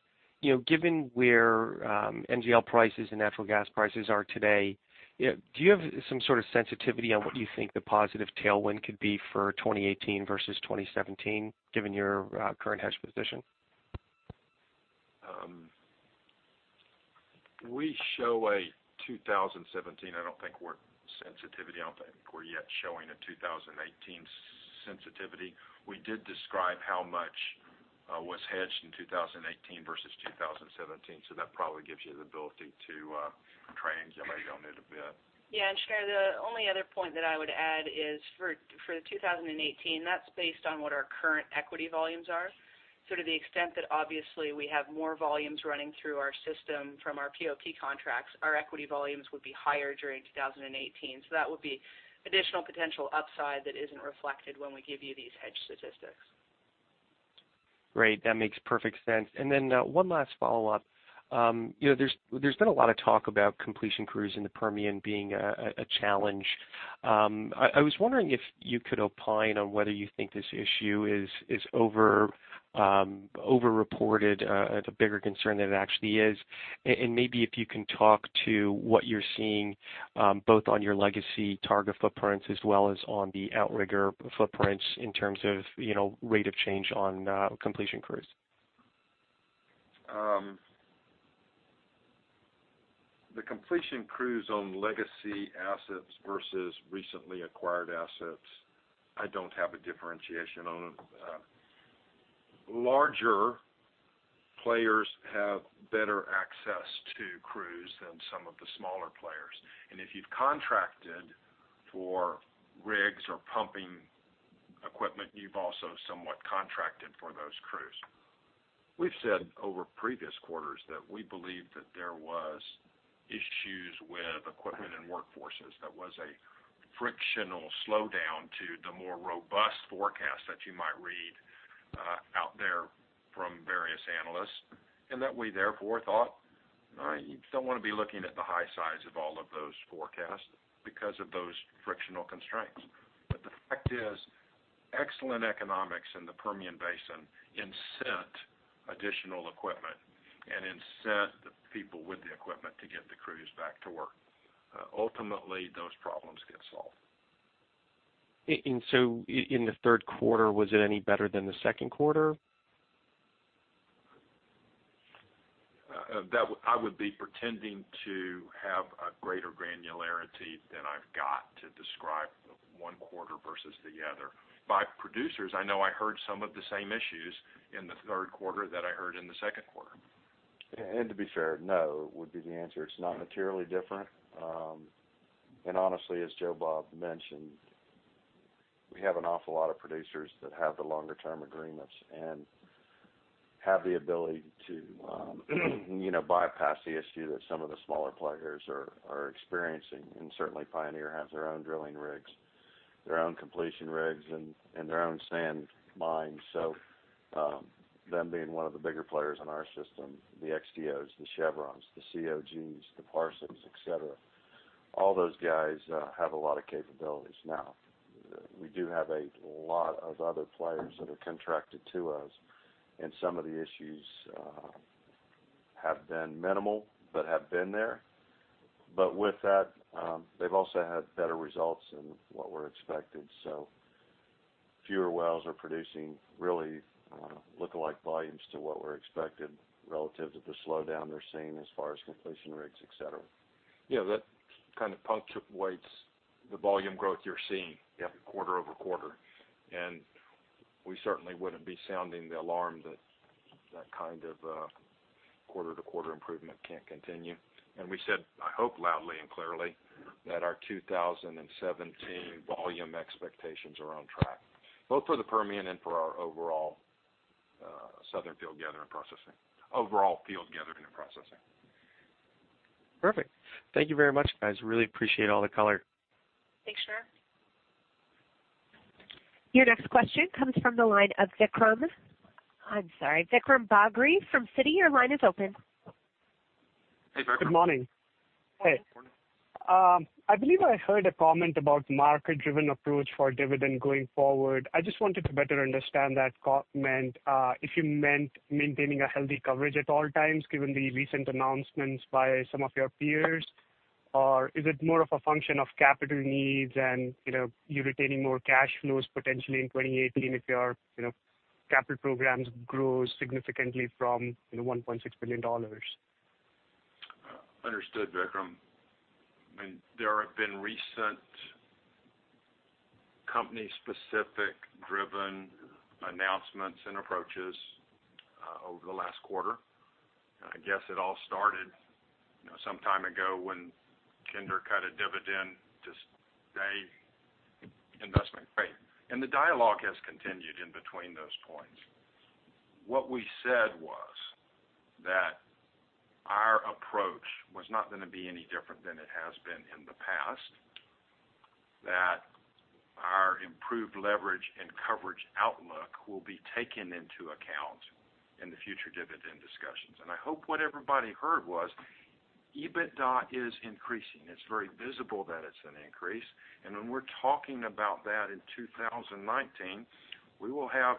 given where NGL prices and natural gas prices are today, do you have some sort of sensitivity on what you think the positive tailwind could be for 2018 versus 2017, given your current hedge position? We show a 2017, I don't think we're sensitivity, I don't think we're yet showing a 2018 sensitivity. We did describe how much was hedged in 2018 versus 2017. That probably gives you the ability to triangulate on it a bit. Yeah, Shneur, the only other point that I would add is for the 2018, that's based on what our current equity volumes are. To the extent that obviously we have more volumes running through our system from our POP contracts, our equity volumes would be higher during 2018. That would be additional potential upside that isn't reflected when we give you these hedge statistics. Great. That makes perfect sense. One last follow-up. There's been a lot of talk about completion crews in the Permian being a challenge. I was wondering if you could opine on whether you think this issue is over-reported as a bigger concern than it actually is. Maybe if you can talk to what you're seeing, both on your legacy Targa footprints as well as on the Outrigger footprints in terms of rate of change on completion crews. The completion crews on legacy assets versus recently acquired assets, I don't have a differentiation on them. Larger players have better access to crews than some of the smaller players. If you've contracted for rigs or pumping equipment, you've also somewhat contracted for those crews. We've said over previous quarters that we believe that there was issues with equipment and workforces, that was a frictional slowdown to the more robust forecast that you might read out there from various analysts. We therefore thought, you don't want to be looking at the high sides of all of those forecasts because of those frictional constraints. The fact is, excellent economics in the Permian Basin incent additional equipment and incent the people with the equipment to get the crews back to work. Ultimately, those problems get solved. In the third quarter, was it any better than the second quarter? I would be pretending to have a greater granularity than I've got to describe one quarter versus the other. By producers, I know I heard some of the same issues in the third quarter that I heard in the second quarter. To be fair, no, would be the answer. It's not materially different. Honestly, as Joe Bob mentioned, we have an awful lot of producers that have the longer-term agreements and have the ability to bypass the issue that some of the smaller players are experiencing. Certainly Pioneer has their own drilling rigs, their own completion rigs, and their own sand mines. Them being one of the bigger players in our system, the XTOs, the Chevrons, the COGs, the Parsleys, et cetera, all those guys have a lot of capabilities now. We do have a lot of other players that are contracted to us, and some of the issues have been minimal, but have been there. With that, they've also had better results than what were expected. Fewer wells are producing really lookalike volumes to what were expected relative to the slowdown they're seeing as far as completion rigs, et cetera. Yeah, that kind of punctuates the volume growth you're seeing quarter over quarter. We certainly wouldn't be sounding the alarm that that kind of quarter-to-quarter improvement can't continue. We said, I hope loudly and clearly, that our 2017 volume expectations are on track, both for the Permian and for our overall field Gathering and Processing. Perfect. Thank you very much, guys. Really appreciate all the color. Thanks, Shneur. Your next question comes from the line of Vikram. I'm sorry, Vikram Bagri from Citi, your line is open. Hey, Vikram. Good morning. Hey. Good morning. I believe I heard a comment about market-driven approach for dividend going forward. I just wanted to better understand that comment, if you meant maintaining a healthy coverage at all times given the recent announcements by some of your peers, or is it more of a function of capital needs and you retaining more cash flows potentially in 2018 if your capital programs grows significantly from $1.6 billion? Understood, Vikram. There have been recent company specific driven announcements and approaches over the last quarter. I guess it all started some time ago when Kinder cut a dividend to stay investment grade. The dialogue has continued in between those points. What we said was that our approach was not going to be any different than it has been in the past, that our improved leverage and coverage outlook will be taken into account in the future dividend discussions. I hope what everybody heard was EBITDA is increasing. It's very visible that it's an increase. When we're talking about that in 2019, we will have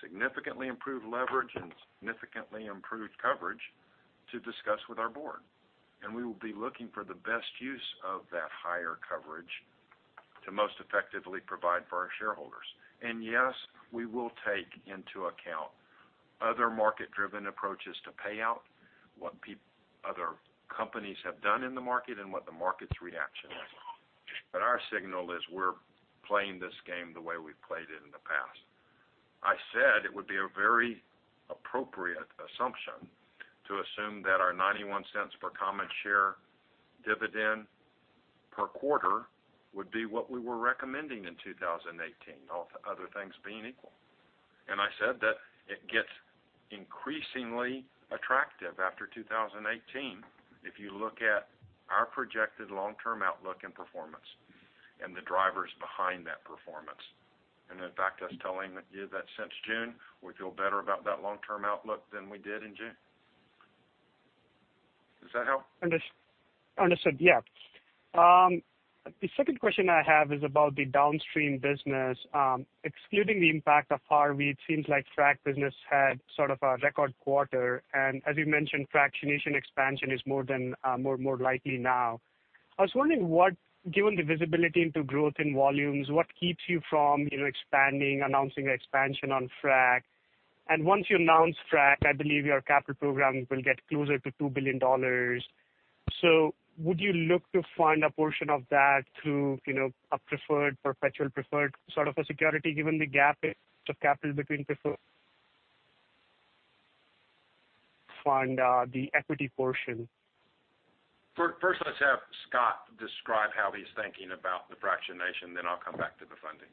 significantly improved leverage and significantly improved coverage to discuss with our board. We will be looking for the best use of that higher coverage to most effectively provide for our shareholders. Yes, we will take into account other market-driven approaches to payout, what other companies have done in the market and what the market's reaction is. Our signal is we're playing this game the way we've played it in the past. I said it would be a very appropriate assumption to assume that our $0.91 per common share dividend per quarter would be what we were recommending in 2018, all other things being equal. I said that it gets increasingly attractive after 2018 if you look at our projected long-term outlook and performance and the drivers behind that performance. In fact, I was telling you that since June, we feel better about that long-term outlook than we did in June. Does that help? Understood. Yeah. The second question I have is about the downstream business. Excluding the impact of Hurricane Harvey, it seems like frac business had sort of a record quarter. As you mentioned, fractionation expansion is more likely now. I was wondering, given the visibility into growth in volumes, what keeps you from expanding, announcing expansion on frac? Once you announce frac, I believe your capital program will get closer to $2 billion. Would you look to find a portion of that through a preferred, perpetual preferred sort of a security given the gap of capital between preferred fund the equity portion? First, let's have Scott describe how he's thinking about the fractionation, then I'll come back to the funding.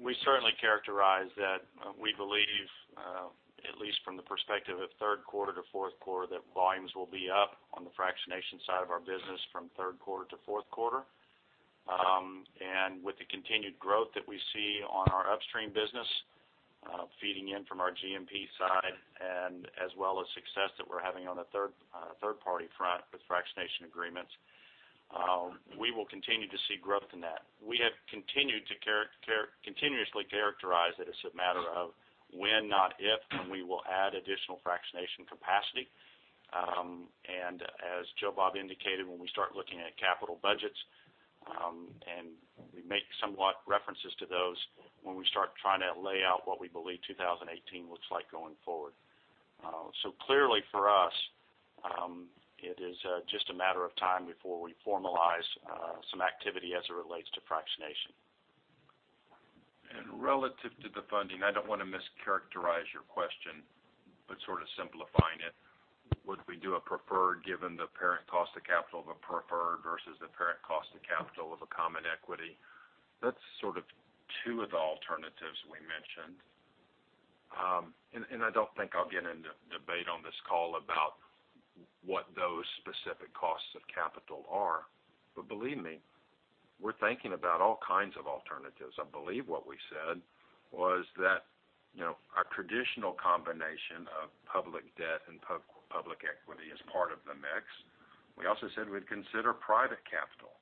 We certainly characterize that we believe, at least from the perspective of third quarter to fourth quarter, that volumes will be up on the fractionation side of our business from third quarter to fourth quarter. With the continued growth that we see on our upstream business, feeding in from our G&P side, as well as success that we're having on the third-party front with fractionation agreements, we will continue to see growth in that. We have continued to continuously characterize it as a matter of when, not if, when we will add additional fractionation capacity. As Joe Bob indicated, when we start looking at capital budgets, we make somewhat references to those when we start trying to lay out what we believe 2018 looks like going forward. Clearly for us, it is just a matter of time before we formalize some activity as it relates to fractionation. Relative to the funding, I don't want to mischaracterize your question, but sort of simplifying it. Would we do a preferred given the parent cost of capital of a preferred versus the parent cost of capital of a common equity? That's sort of two of the alternatives we mentioned. I don't think I'll get into a debate on this call about what those specific costs of capital are. Believe me, we're thinking about all kinds of alternatives. I believe what we said was that our traditional combination of public debt and public equity is part of the mix. We also said we'd consider private capital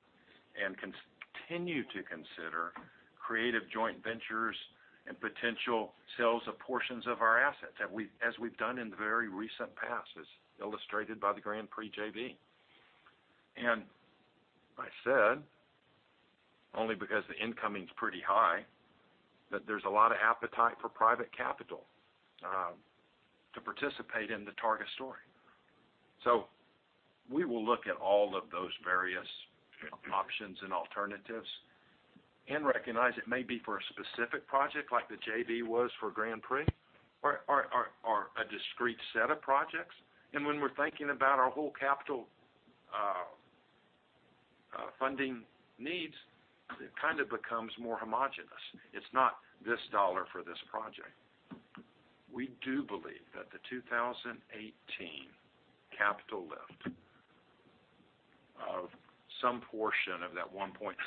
and continue to consider creative joint ventures and potential sales of portions of our assets, as we've done in the very recent past, as illustrated by the Grand Prix JV. I said, only because the incoming's pretty high, that there's a lot of appetite for private capital to participate in the Targa story. We will look at all of those various options and alternatives and recognize it may be for a specific project like the JV was for Grand Prix or a discrete set of projects. When we're thinking about our whole capital funding needs, it kind of becomes more homogenous. It's not this dollar for this project. We do believe that the 2018 capital lift of some portion of that $1.6 billion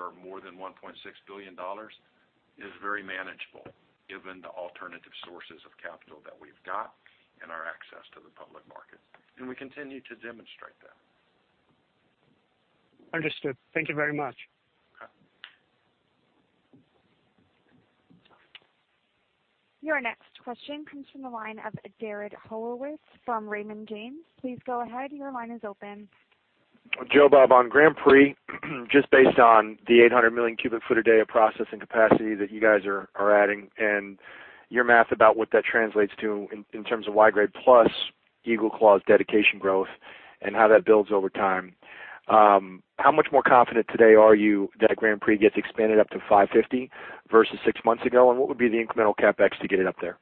or more than $1.6 billion is very manageable given the alternative sources of capital that we've got and our access to the public market. We continue to demonstrate that. Understood. Thank you very much. Okay. Your next question comes from the line of Jared Horowitz from Raymond James. Please go ahead. Your line is open. Joe Bob, on Grand Prix, just based on the 800 million cubic foot a day of processing capacity that you guys are adding and your math about what that translates to in terms of Y-grade plus EagleClaw's dedication growth and how that builds over time. How much more confident today are you that Grand Prix gets expanded up to 550 versus six months ago? What would be the incremental CapEx to get it up there?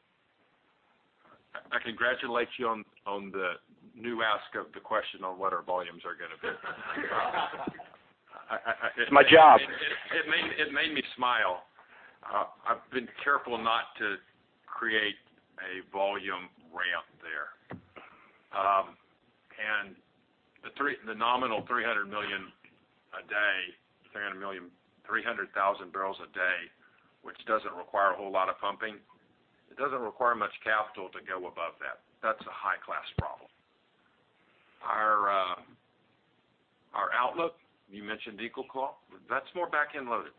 I congratulate you on the new ask of the question on what our volumes are going to be. It's my job. It made me smile. I've been careful not to create a volume ramp there. The nominal $300 million a day, 300,000 barrels a day, which doesn't require a whole lot of pumping. It doesn't require much capital to go above that. That's a high-class problem. Our outlook, you mentioned EagleClaw, that's more back-end loaded.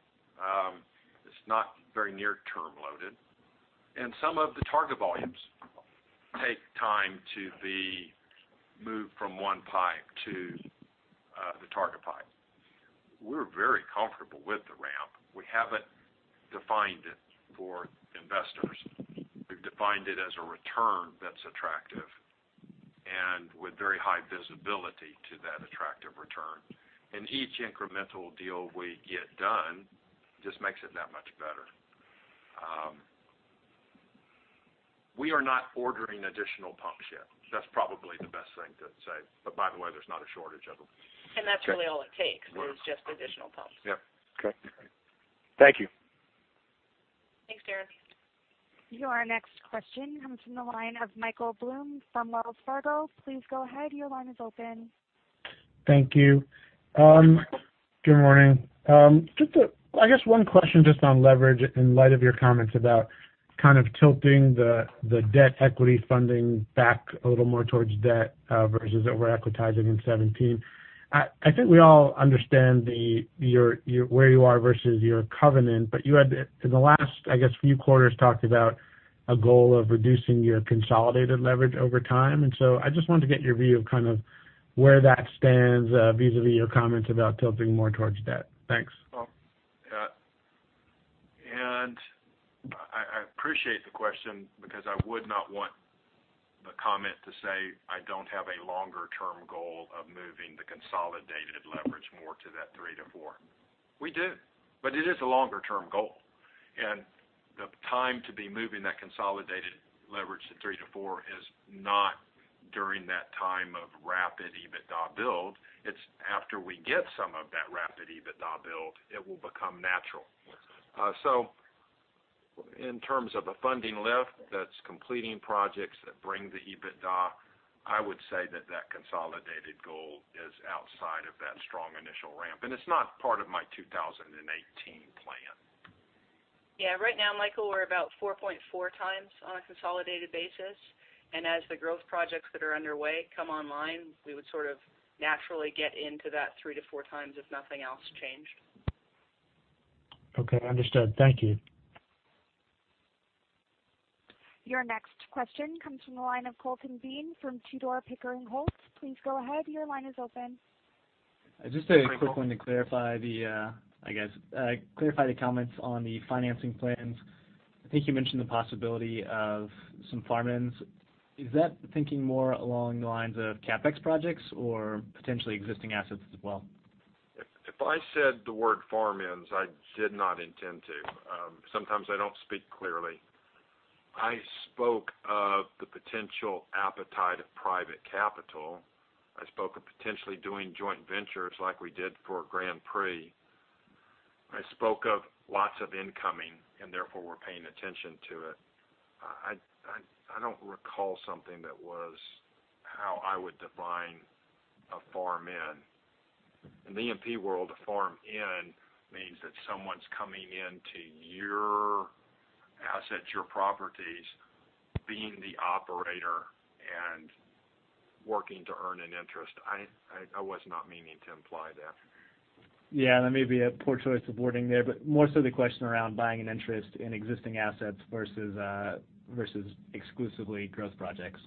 It's not very near-term loaded. Some of the Targa volumes take time to be moved from one pipe to the Targa pipe. We're very comfortable with the ramp. We haven't defined it for investors. We've defined it as a return that's attractive and with very high visibility to that attractive return. Each incremental deal we get done just makes it that much better. We are not ordering additional pumps yet. That's probably the best thing to say. By the way, there's not a shortage of them. That's really all it takes is just additional pumps. Yep. Okay. Thank you. Thanks, Jared. Your next question comes from the line of Michael Blum from Wells Fargo. Please go ahead. Your line is open. Thank you. Good morning. I guess one question just on leverage in light of your comments about kind of tilting the debt equity funding back a little more towards debt versus over-equitizing in 2017. I think we all understand where you are versus your covenant. You had in the last, I guess, few quarters talked about a goal of reducing your consolidated leverage over time. I just wanted to get your view of kind of where that stands vis-a-vis your comments about tilting more towards debt. Thanks. I appreciate the question because I would not want the comment to say I don't have a longer-term goal of moving the consolidated leverage more to that 3-4. We do, but it is a longer-term goal. The time to be moving that consolidated leverage to 3-4 is not during that time of rapid EBITDA build. It's after we get some of that rapid EBITDA build, it will become natural. In terms of a funding lift that's completing projects that bring the EBITDA, I would say that consolidated goal is outside of that strong initial ramp, and it's not part of my 2018 plan. Yeah. Right now, Michael, we're about 4.4 times on a consolidated basis. As the growth projects that are underway come online, we would sort of naturally get into that 3-4 times if nothing else changed. Okay, understood. Thank you. Your next question comes from the line of Colton Bean from Tudor, Pickering, Holt & Co. Please go ahead. Your line is open. Just a quick one to clarify the comments on the financing plans. I think you mentioned the possibility of some farm-ins. Is that thinking more along the lines of CapEx projects or potentially existing assets as well? If I said the word farm-ins, I did not intend to. Sometimes I don't speak clearly. I spoke of the potential appetite of private capital. I spoke of potentially doing joint ventures like we did for Grand Prix. I spoke of lots of incoming, and therefore we're paying attention to it. I don't recall something that was how I would define a farm-in. In the E&P world, a farm-in means that someone's coming into your assets, your properties, being the operator and working to earn an interest. I was not meaning to imply that. Yeah, that may be a poor choice of wording there, but more so the question around buying an interest in existing assets versus exclusively growth projects.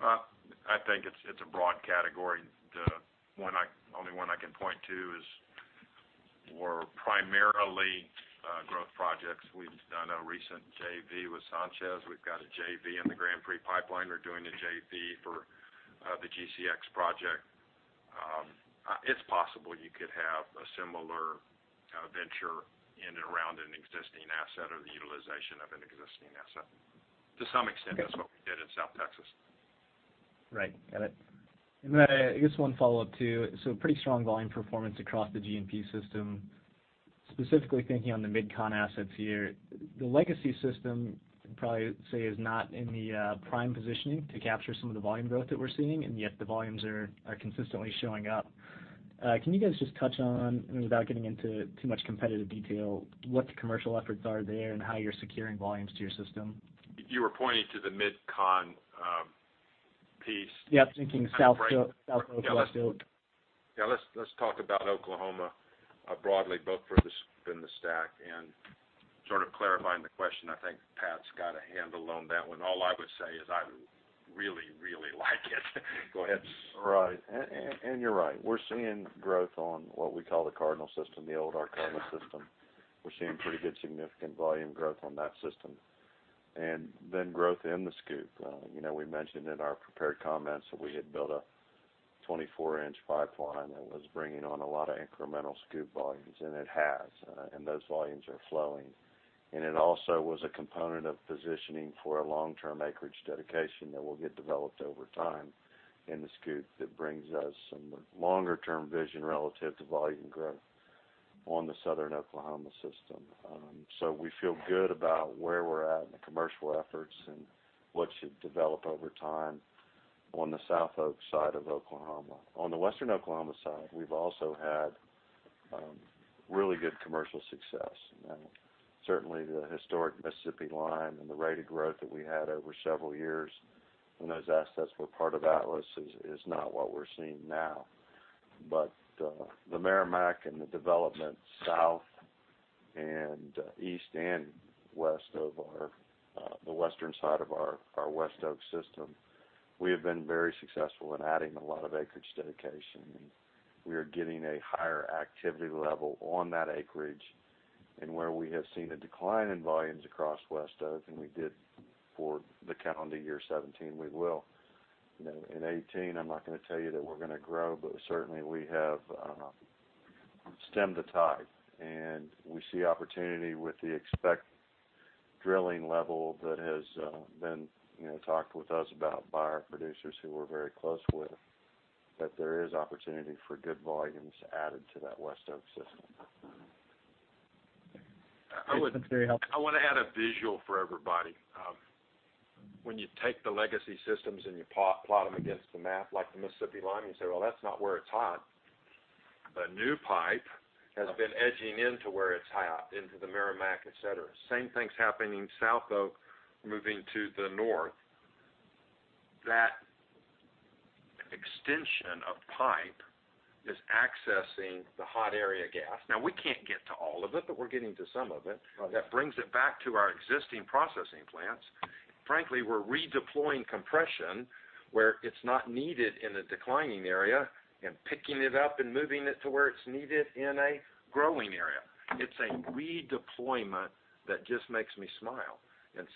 I think it's a broad category. The only one I can point to is more primarily growth projects. We've done a recent JV with Sanchez. We've got a JV in the Grand Prix pipeline. We're doing a JV for the GCX project. It's possible you could have a similar venture in and around an existing asset or the utilization of an existing asset. To some extent, that's what we did in South Texas. Right. Got it. I guess one follow-up, too. Pretty strong volume performance across the G&P system, specifically thinking on the MidCon assets here. The legacy system, probably say, is not in the prime positioning to capture some of the volume growth that we're seeing, and yet the volumes are consistently showing up. Can you guys just touch on, without getting into too much competitive detail, what the commercial efforts are there and how you're securing volumes to your system? You were pointing to the MidCon piece. Yep, thinking South Oklahoma. Yeah. Let's talk about Oklahoma broadly, both for the SCOOP and the STACK. Sort of clarifying the question. I think Pat's got a handle on that one. All I would say is I really like it. Go ahead. Right. You're right. We're seeing growth on what we call the Cardinal system, the old Arkansas system. We're seeing pretty good significant volume growth on that system. Growth in the SCOOP. We mentioned in our prepared comments that we had built a 24-inch pipeline that was bringing on a lot of incremental SCOOP volumes. It has. Those volumes are flowing. It also was a component of positioning for a long-term acreage dedication that will get developed over time in the SCOOP that brings us some longer-term vision relative to volume growth on the Southern Oklahoma system. We feel good about where we're at in the commercial efforts and what should develop over time on the SouthOK side of Oklahoma. On the Western Oklahoma side, we've also had really good commercial success. Certainly, the historic Mississippian Lime and the rate of growth that we had over several years when those assets were part of Atlas is not what we're seeing now. The Meramec and the development south and east and west of the western side of our WestOk system, we have been very successful in adding a lot of acreage dedication. We are getting a higher activity level on that acreage. Where we have seen a decline in volumes across WestOk than we did for the calendar year 2017, in 2018, I'm not going to tell you that we're going to grow, but certainly we have stemmed the tide. We see opportunity with the expect drilling level that has been talked with us about by our producers who we're very close with, that there is opportunity for good volumes added to that WestOk system. That's very helpful. I want to add a visual for everybody. When you take the legacy systems and you plot them against the map, like the Mississippian Lime, you say, "Well, that's not where it's hot." New pipe has been edging into where it's hot, into the Meramec, et cetera. Same thing's happening SouthOk, moving to the north. That extension of pipe is accessing the hot area gas. We can't get to all of it, but we're getting to some of it. Right. That brings it back to our existing processing plants. Frankly, we're redeploying compression where it's not needed in a declining area and picking it up and moving it to where it's needed in a growing area. It's a redeployment that just makes me smile.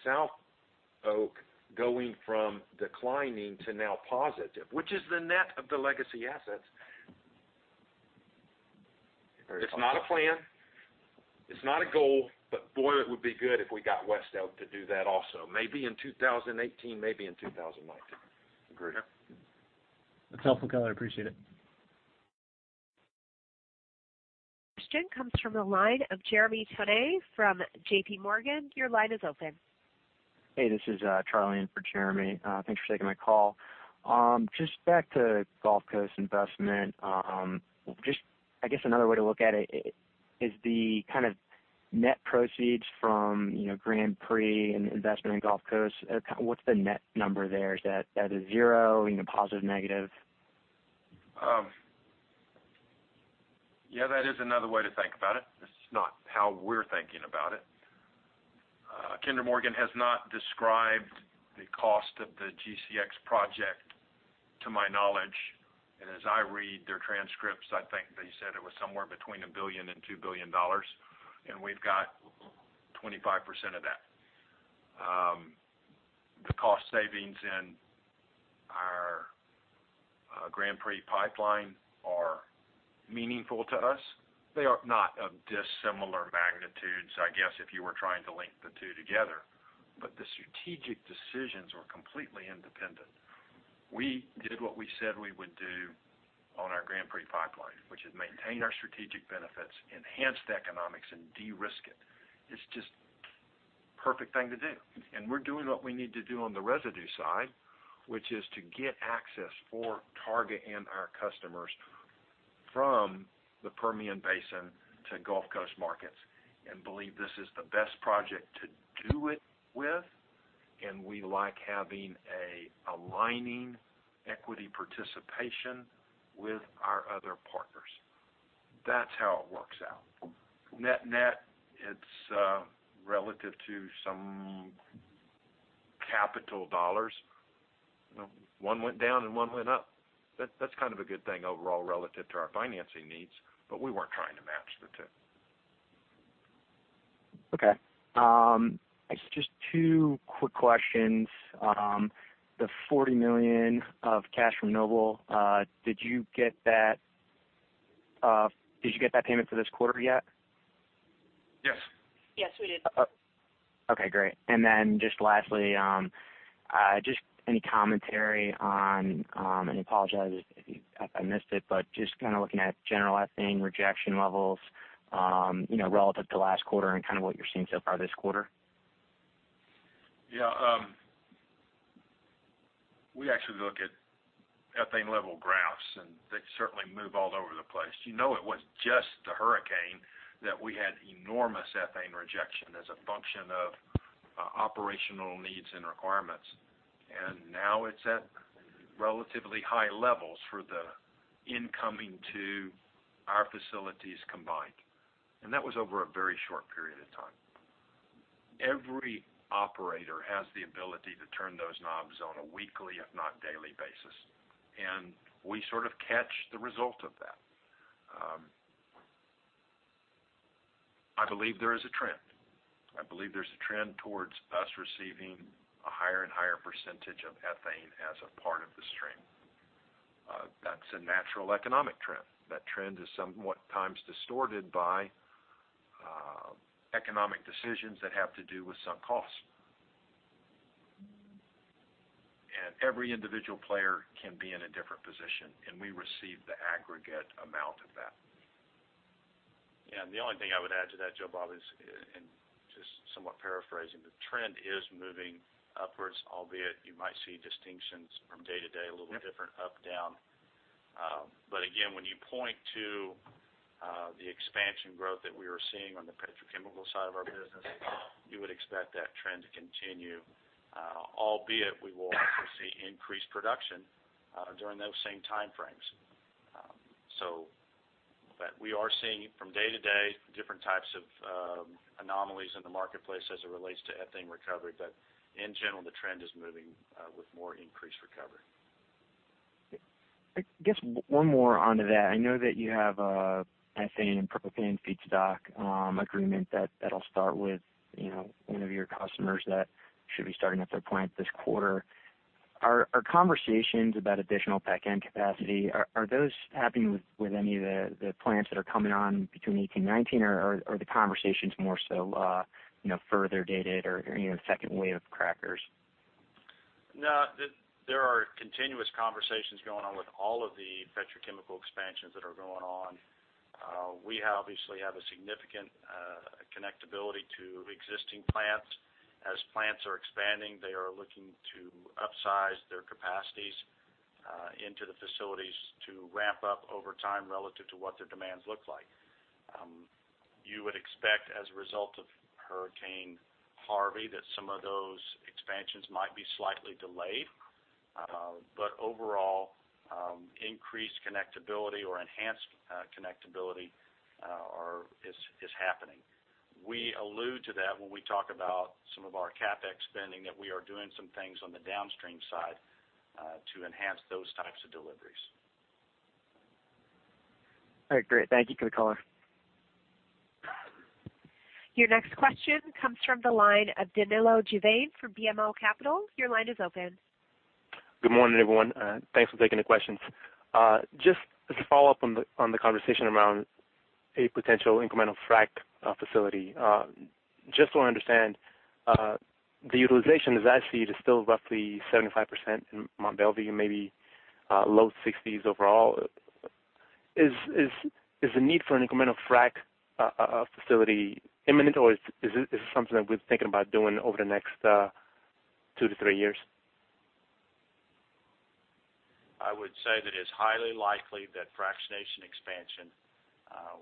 SouthOk going from declining to now positive, which is the net of the legacy assets. It's not a plan. It's not a goal, boy, it would be good if we got WestOk to do that also. Maybe in 2018, maybe in 2019. Agree. That's helpful, guys. I appreciate it. Question comes from the line of Jeremy Tonet from J.P. Morgan. Your line is open. Hey, this is Charlie in for Jeremy. Thanks for taking my call. Just back to Gulf Coast investment. I guess another way to look at it, is the net proceeds from Grand Prix and investment in Gulf Coast, what's the net number there? Is that at a zero, positive, negative? Yeah, that is another way to think about it. It's not how we're thinking about it. Kinder Morgan has not described the cost of the GCX project, to my knowledge. As I read their transcripts, I think they said it was somewhere between $1 billion and $2 billion, and we've got 25% of that. The cost savings in our Grand Prix pipeline are meaningful to us. They are not of dissimilar magnitudes, I guess, if you were trying to link the two together. The strategic decisions were completely independent. We did what we said we would do on our Grand Prix pipeline, which is maintain our strategic benefits, enhance the economics, and de-risk it. It's just perfect thing to do. We're doing what we need to do on the residue side, which is to get access for Targa and our customers from the Permian Basin to Gulf Coast markets and believe this is the best project to do it with. We like having a aligning equity participation with our other partners. That's how it works out. Net net, it's relative to some capital dollars. One went down and one went up. That's kind of a good thing overall relative to our financing needs, we weren't trying to match the two. Okay. Just two quick questions. The $40 million of cash from Noble, did you get that payment for this quarter yet? Yes. Yes, we did. Okay, great. Then just lastly, just any commentary on, apologize if I missed it, but just kind of looking at general ethane rejection levels relative to last quarter and what you're seeing so far this quarter. Yeah. We actually look at ethane level graphs. They certainly move all over the place. You know it was just the Hurricane that we had enormous ethane rejection as a function of operational needs and requirements. Now it's at relatively high levels for the incoming to our facilities combined. That was over a very short period of time. Every operator has the ability to turn those knobs on a weekly, if not daily basis. We sort of catch the result of that. I believe there is a trend. I believe there's a trend towards us receiving a higher and higher percentage of ethane as a part of the stream. That's a natural economic trend. That trend is somewhat times distorted by economic decisions that have to do with some costs. Every individual player can be in a different position, and we receive the aggregate amount of that. Yeah. The only thing I would add to that, Joe Bob, and just somewhat paraphrasing, the trend is moving upwards, albeit you might see distinctions from day to day, a little different up, down. Again, when you point to the expansion growth that we are seeing on the petrochemical side of our business, you would expect that trend to continue. Albeit we will also see increased production during those same time frames. We are seeing from day to day, different types of anomalies in the marketplace as it relates to ethane recovery. In general, the trend is moving with more increased recovery. I guess one more onto that. I know that you have ethane and propane feedstock agreement that'll start with one of your customers that should be starting up their plant this quarter. Are conversations about additional back-end capacity, are those happening with any of the plants that are coming on between 2018 and 2019? Are the conversations more so further dated or second wave crackers? There are continuous conversations going on with all of the petrochemical expansions that are going on. We obviously have a significant connectability to existing plants. As plants are expanding, they are looking to upsize their capacities into the facilities to ramp up over time relative to what their demands look like. You would expect as a result of Hurricane Harvey, that some of those expansions might be slightly delayed. Overall, increased connectability or enhanced connectability is happening. We allude to that when we talk about some of our CapEx spending, that we are doing some things on the downstream side to enhance those types of deliveries. All right. Great. Thank you for the color. Your next question comes from the line of Danilo Giovine from BMO Capital. Your line is open. Good morning, everyone. Thanks for taking the questions. Just as a follow-up on the conversation around a potential incremental frac facility. Just so I understand, the utilization as I see it is still roughly 75% in Mont Belvieu, maybe low sixties overall. Is the need for an incremental frac facility imminent, or is it something that we're thinking about doing over the next two to three years? I would say that it's highly likely that fractionation expansion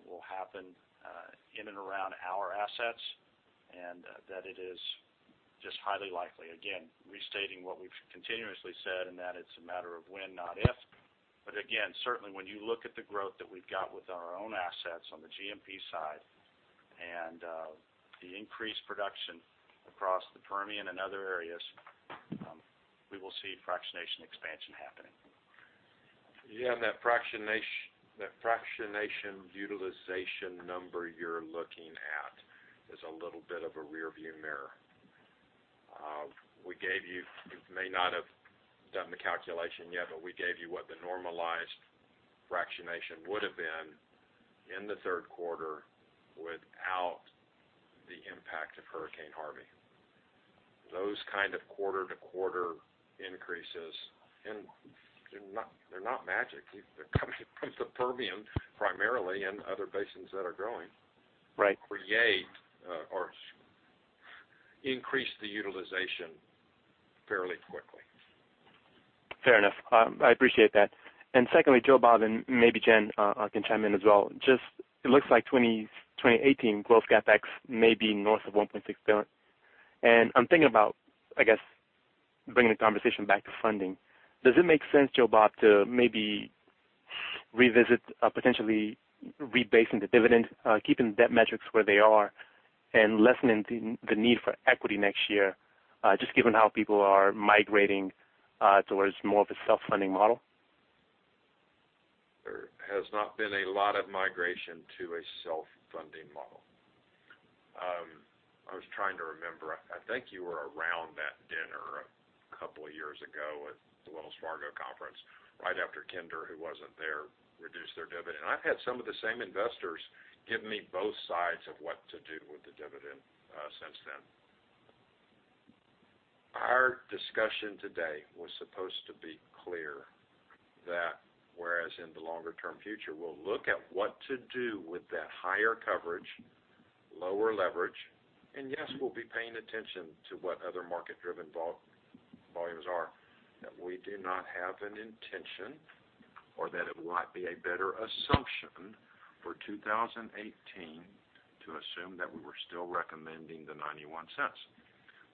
will happen in and around our assets, and that it is just highly likely. Again, restating what we've continuously said, and that it's a matter of when, not if. Again, certainly when you look at the growth that we've got with our own assets on the G&P side and the increased production across the Permian and other areas, we will see fractionation expansion happening. Yeah. That fractionation utilization number you're looking at is a little bit of a rearview mirror. You may not have done the calculation yet, but we gave you what the normalized fractionation would've been in the third quarter without the impact of Hurricane Harvey. Those kind of quarter-to-quarter increases, and they're not magic. They're coming from the Permian primarily and other basins that are growing. Right. Create or increase the utilization fairly quickly. Fair enough. I appreciate that. Secondly, Joe Bob, and maybe Jen can chime in as well. Just, it looks like 2018 growth CapEx may be north of $1.6 billion. I'm thinking about, I guess, bringing the conversation back to funding. Does it make sense, Joe Bob, to maybe revisit potentially rebasing the dividend, keeping debt metrics where they are and lessening the need for equity next year? Just given how people are migrating towards more of a self-funding model. There has not been a lot of migration to a self-funding model. I was trying to remember. I think you were around that dinner a couple of years ago at the Wells Fargo conference right after Kinder, who wasn't there, reduced their dividend. I've had some of the same investors give me both sides of what to do with the dividend since then. Our discussion today was supposed to be clear that whereas in the longer-term future, we'll look at what to do with that higher coverage, lower leverage, and yes, we'll be paying attention to what other market-driven volumes are. That we do not have an intention or that it might be a better assumption for 2018 to assume that we were still recommending the $0.91.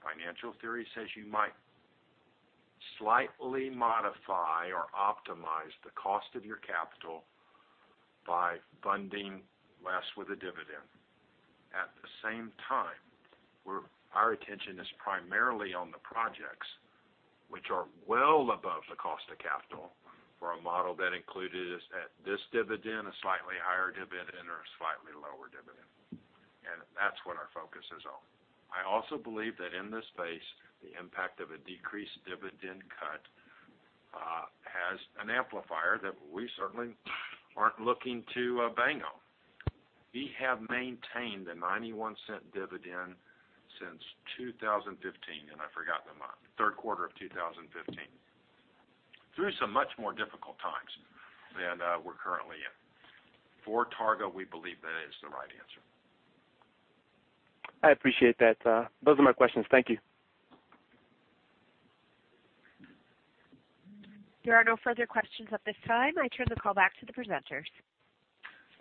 Financial theory says you might slightly modify or optimize the cost of your capital by funding less with a dividend. At the same time, our attention is primarily on the projects which are well above the cost of capital for a model that included us at this dividend, a slightly higher dividend, or a slightly lower dividend. That's what our focus is on. I also believe that in this space, the impact of a decreased dividend cut has an amplifier that we certainly aren't looking to bang on. We have maintained a $0.91 dividend since 2015, and I forgot the month. Third quarter of 2015. Through some much more difficult times than we're currently in. For Targa, we believe that is the right answer. I appreciate that. Those are my questions. Thank you. There are no further questions at this time. I turn the call back to the presenters.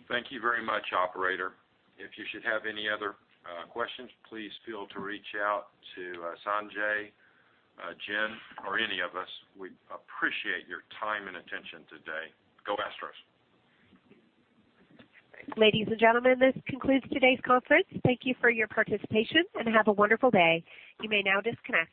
Thank you very much, operator. If you should have any other questions, please feel to reach out to Sanjay, Jen, or any of us. We appreciate your time and attention today. Go Astros. Ladies and gentlemen, this concludes today's conference. Thank you for your participation, and have a wonderful day. You may now disconnect.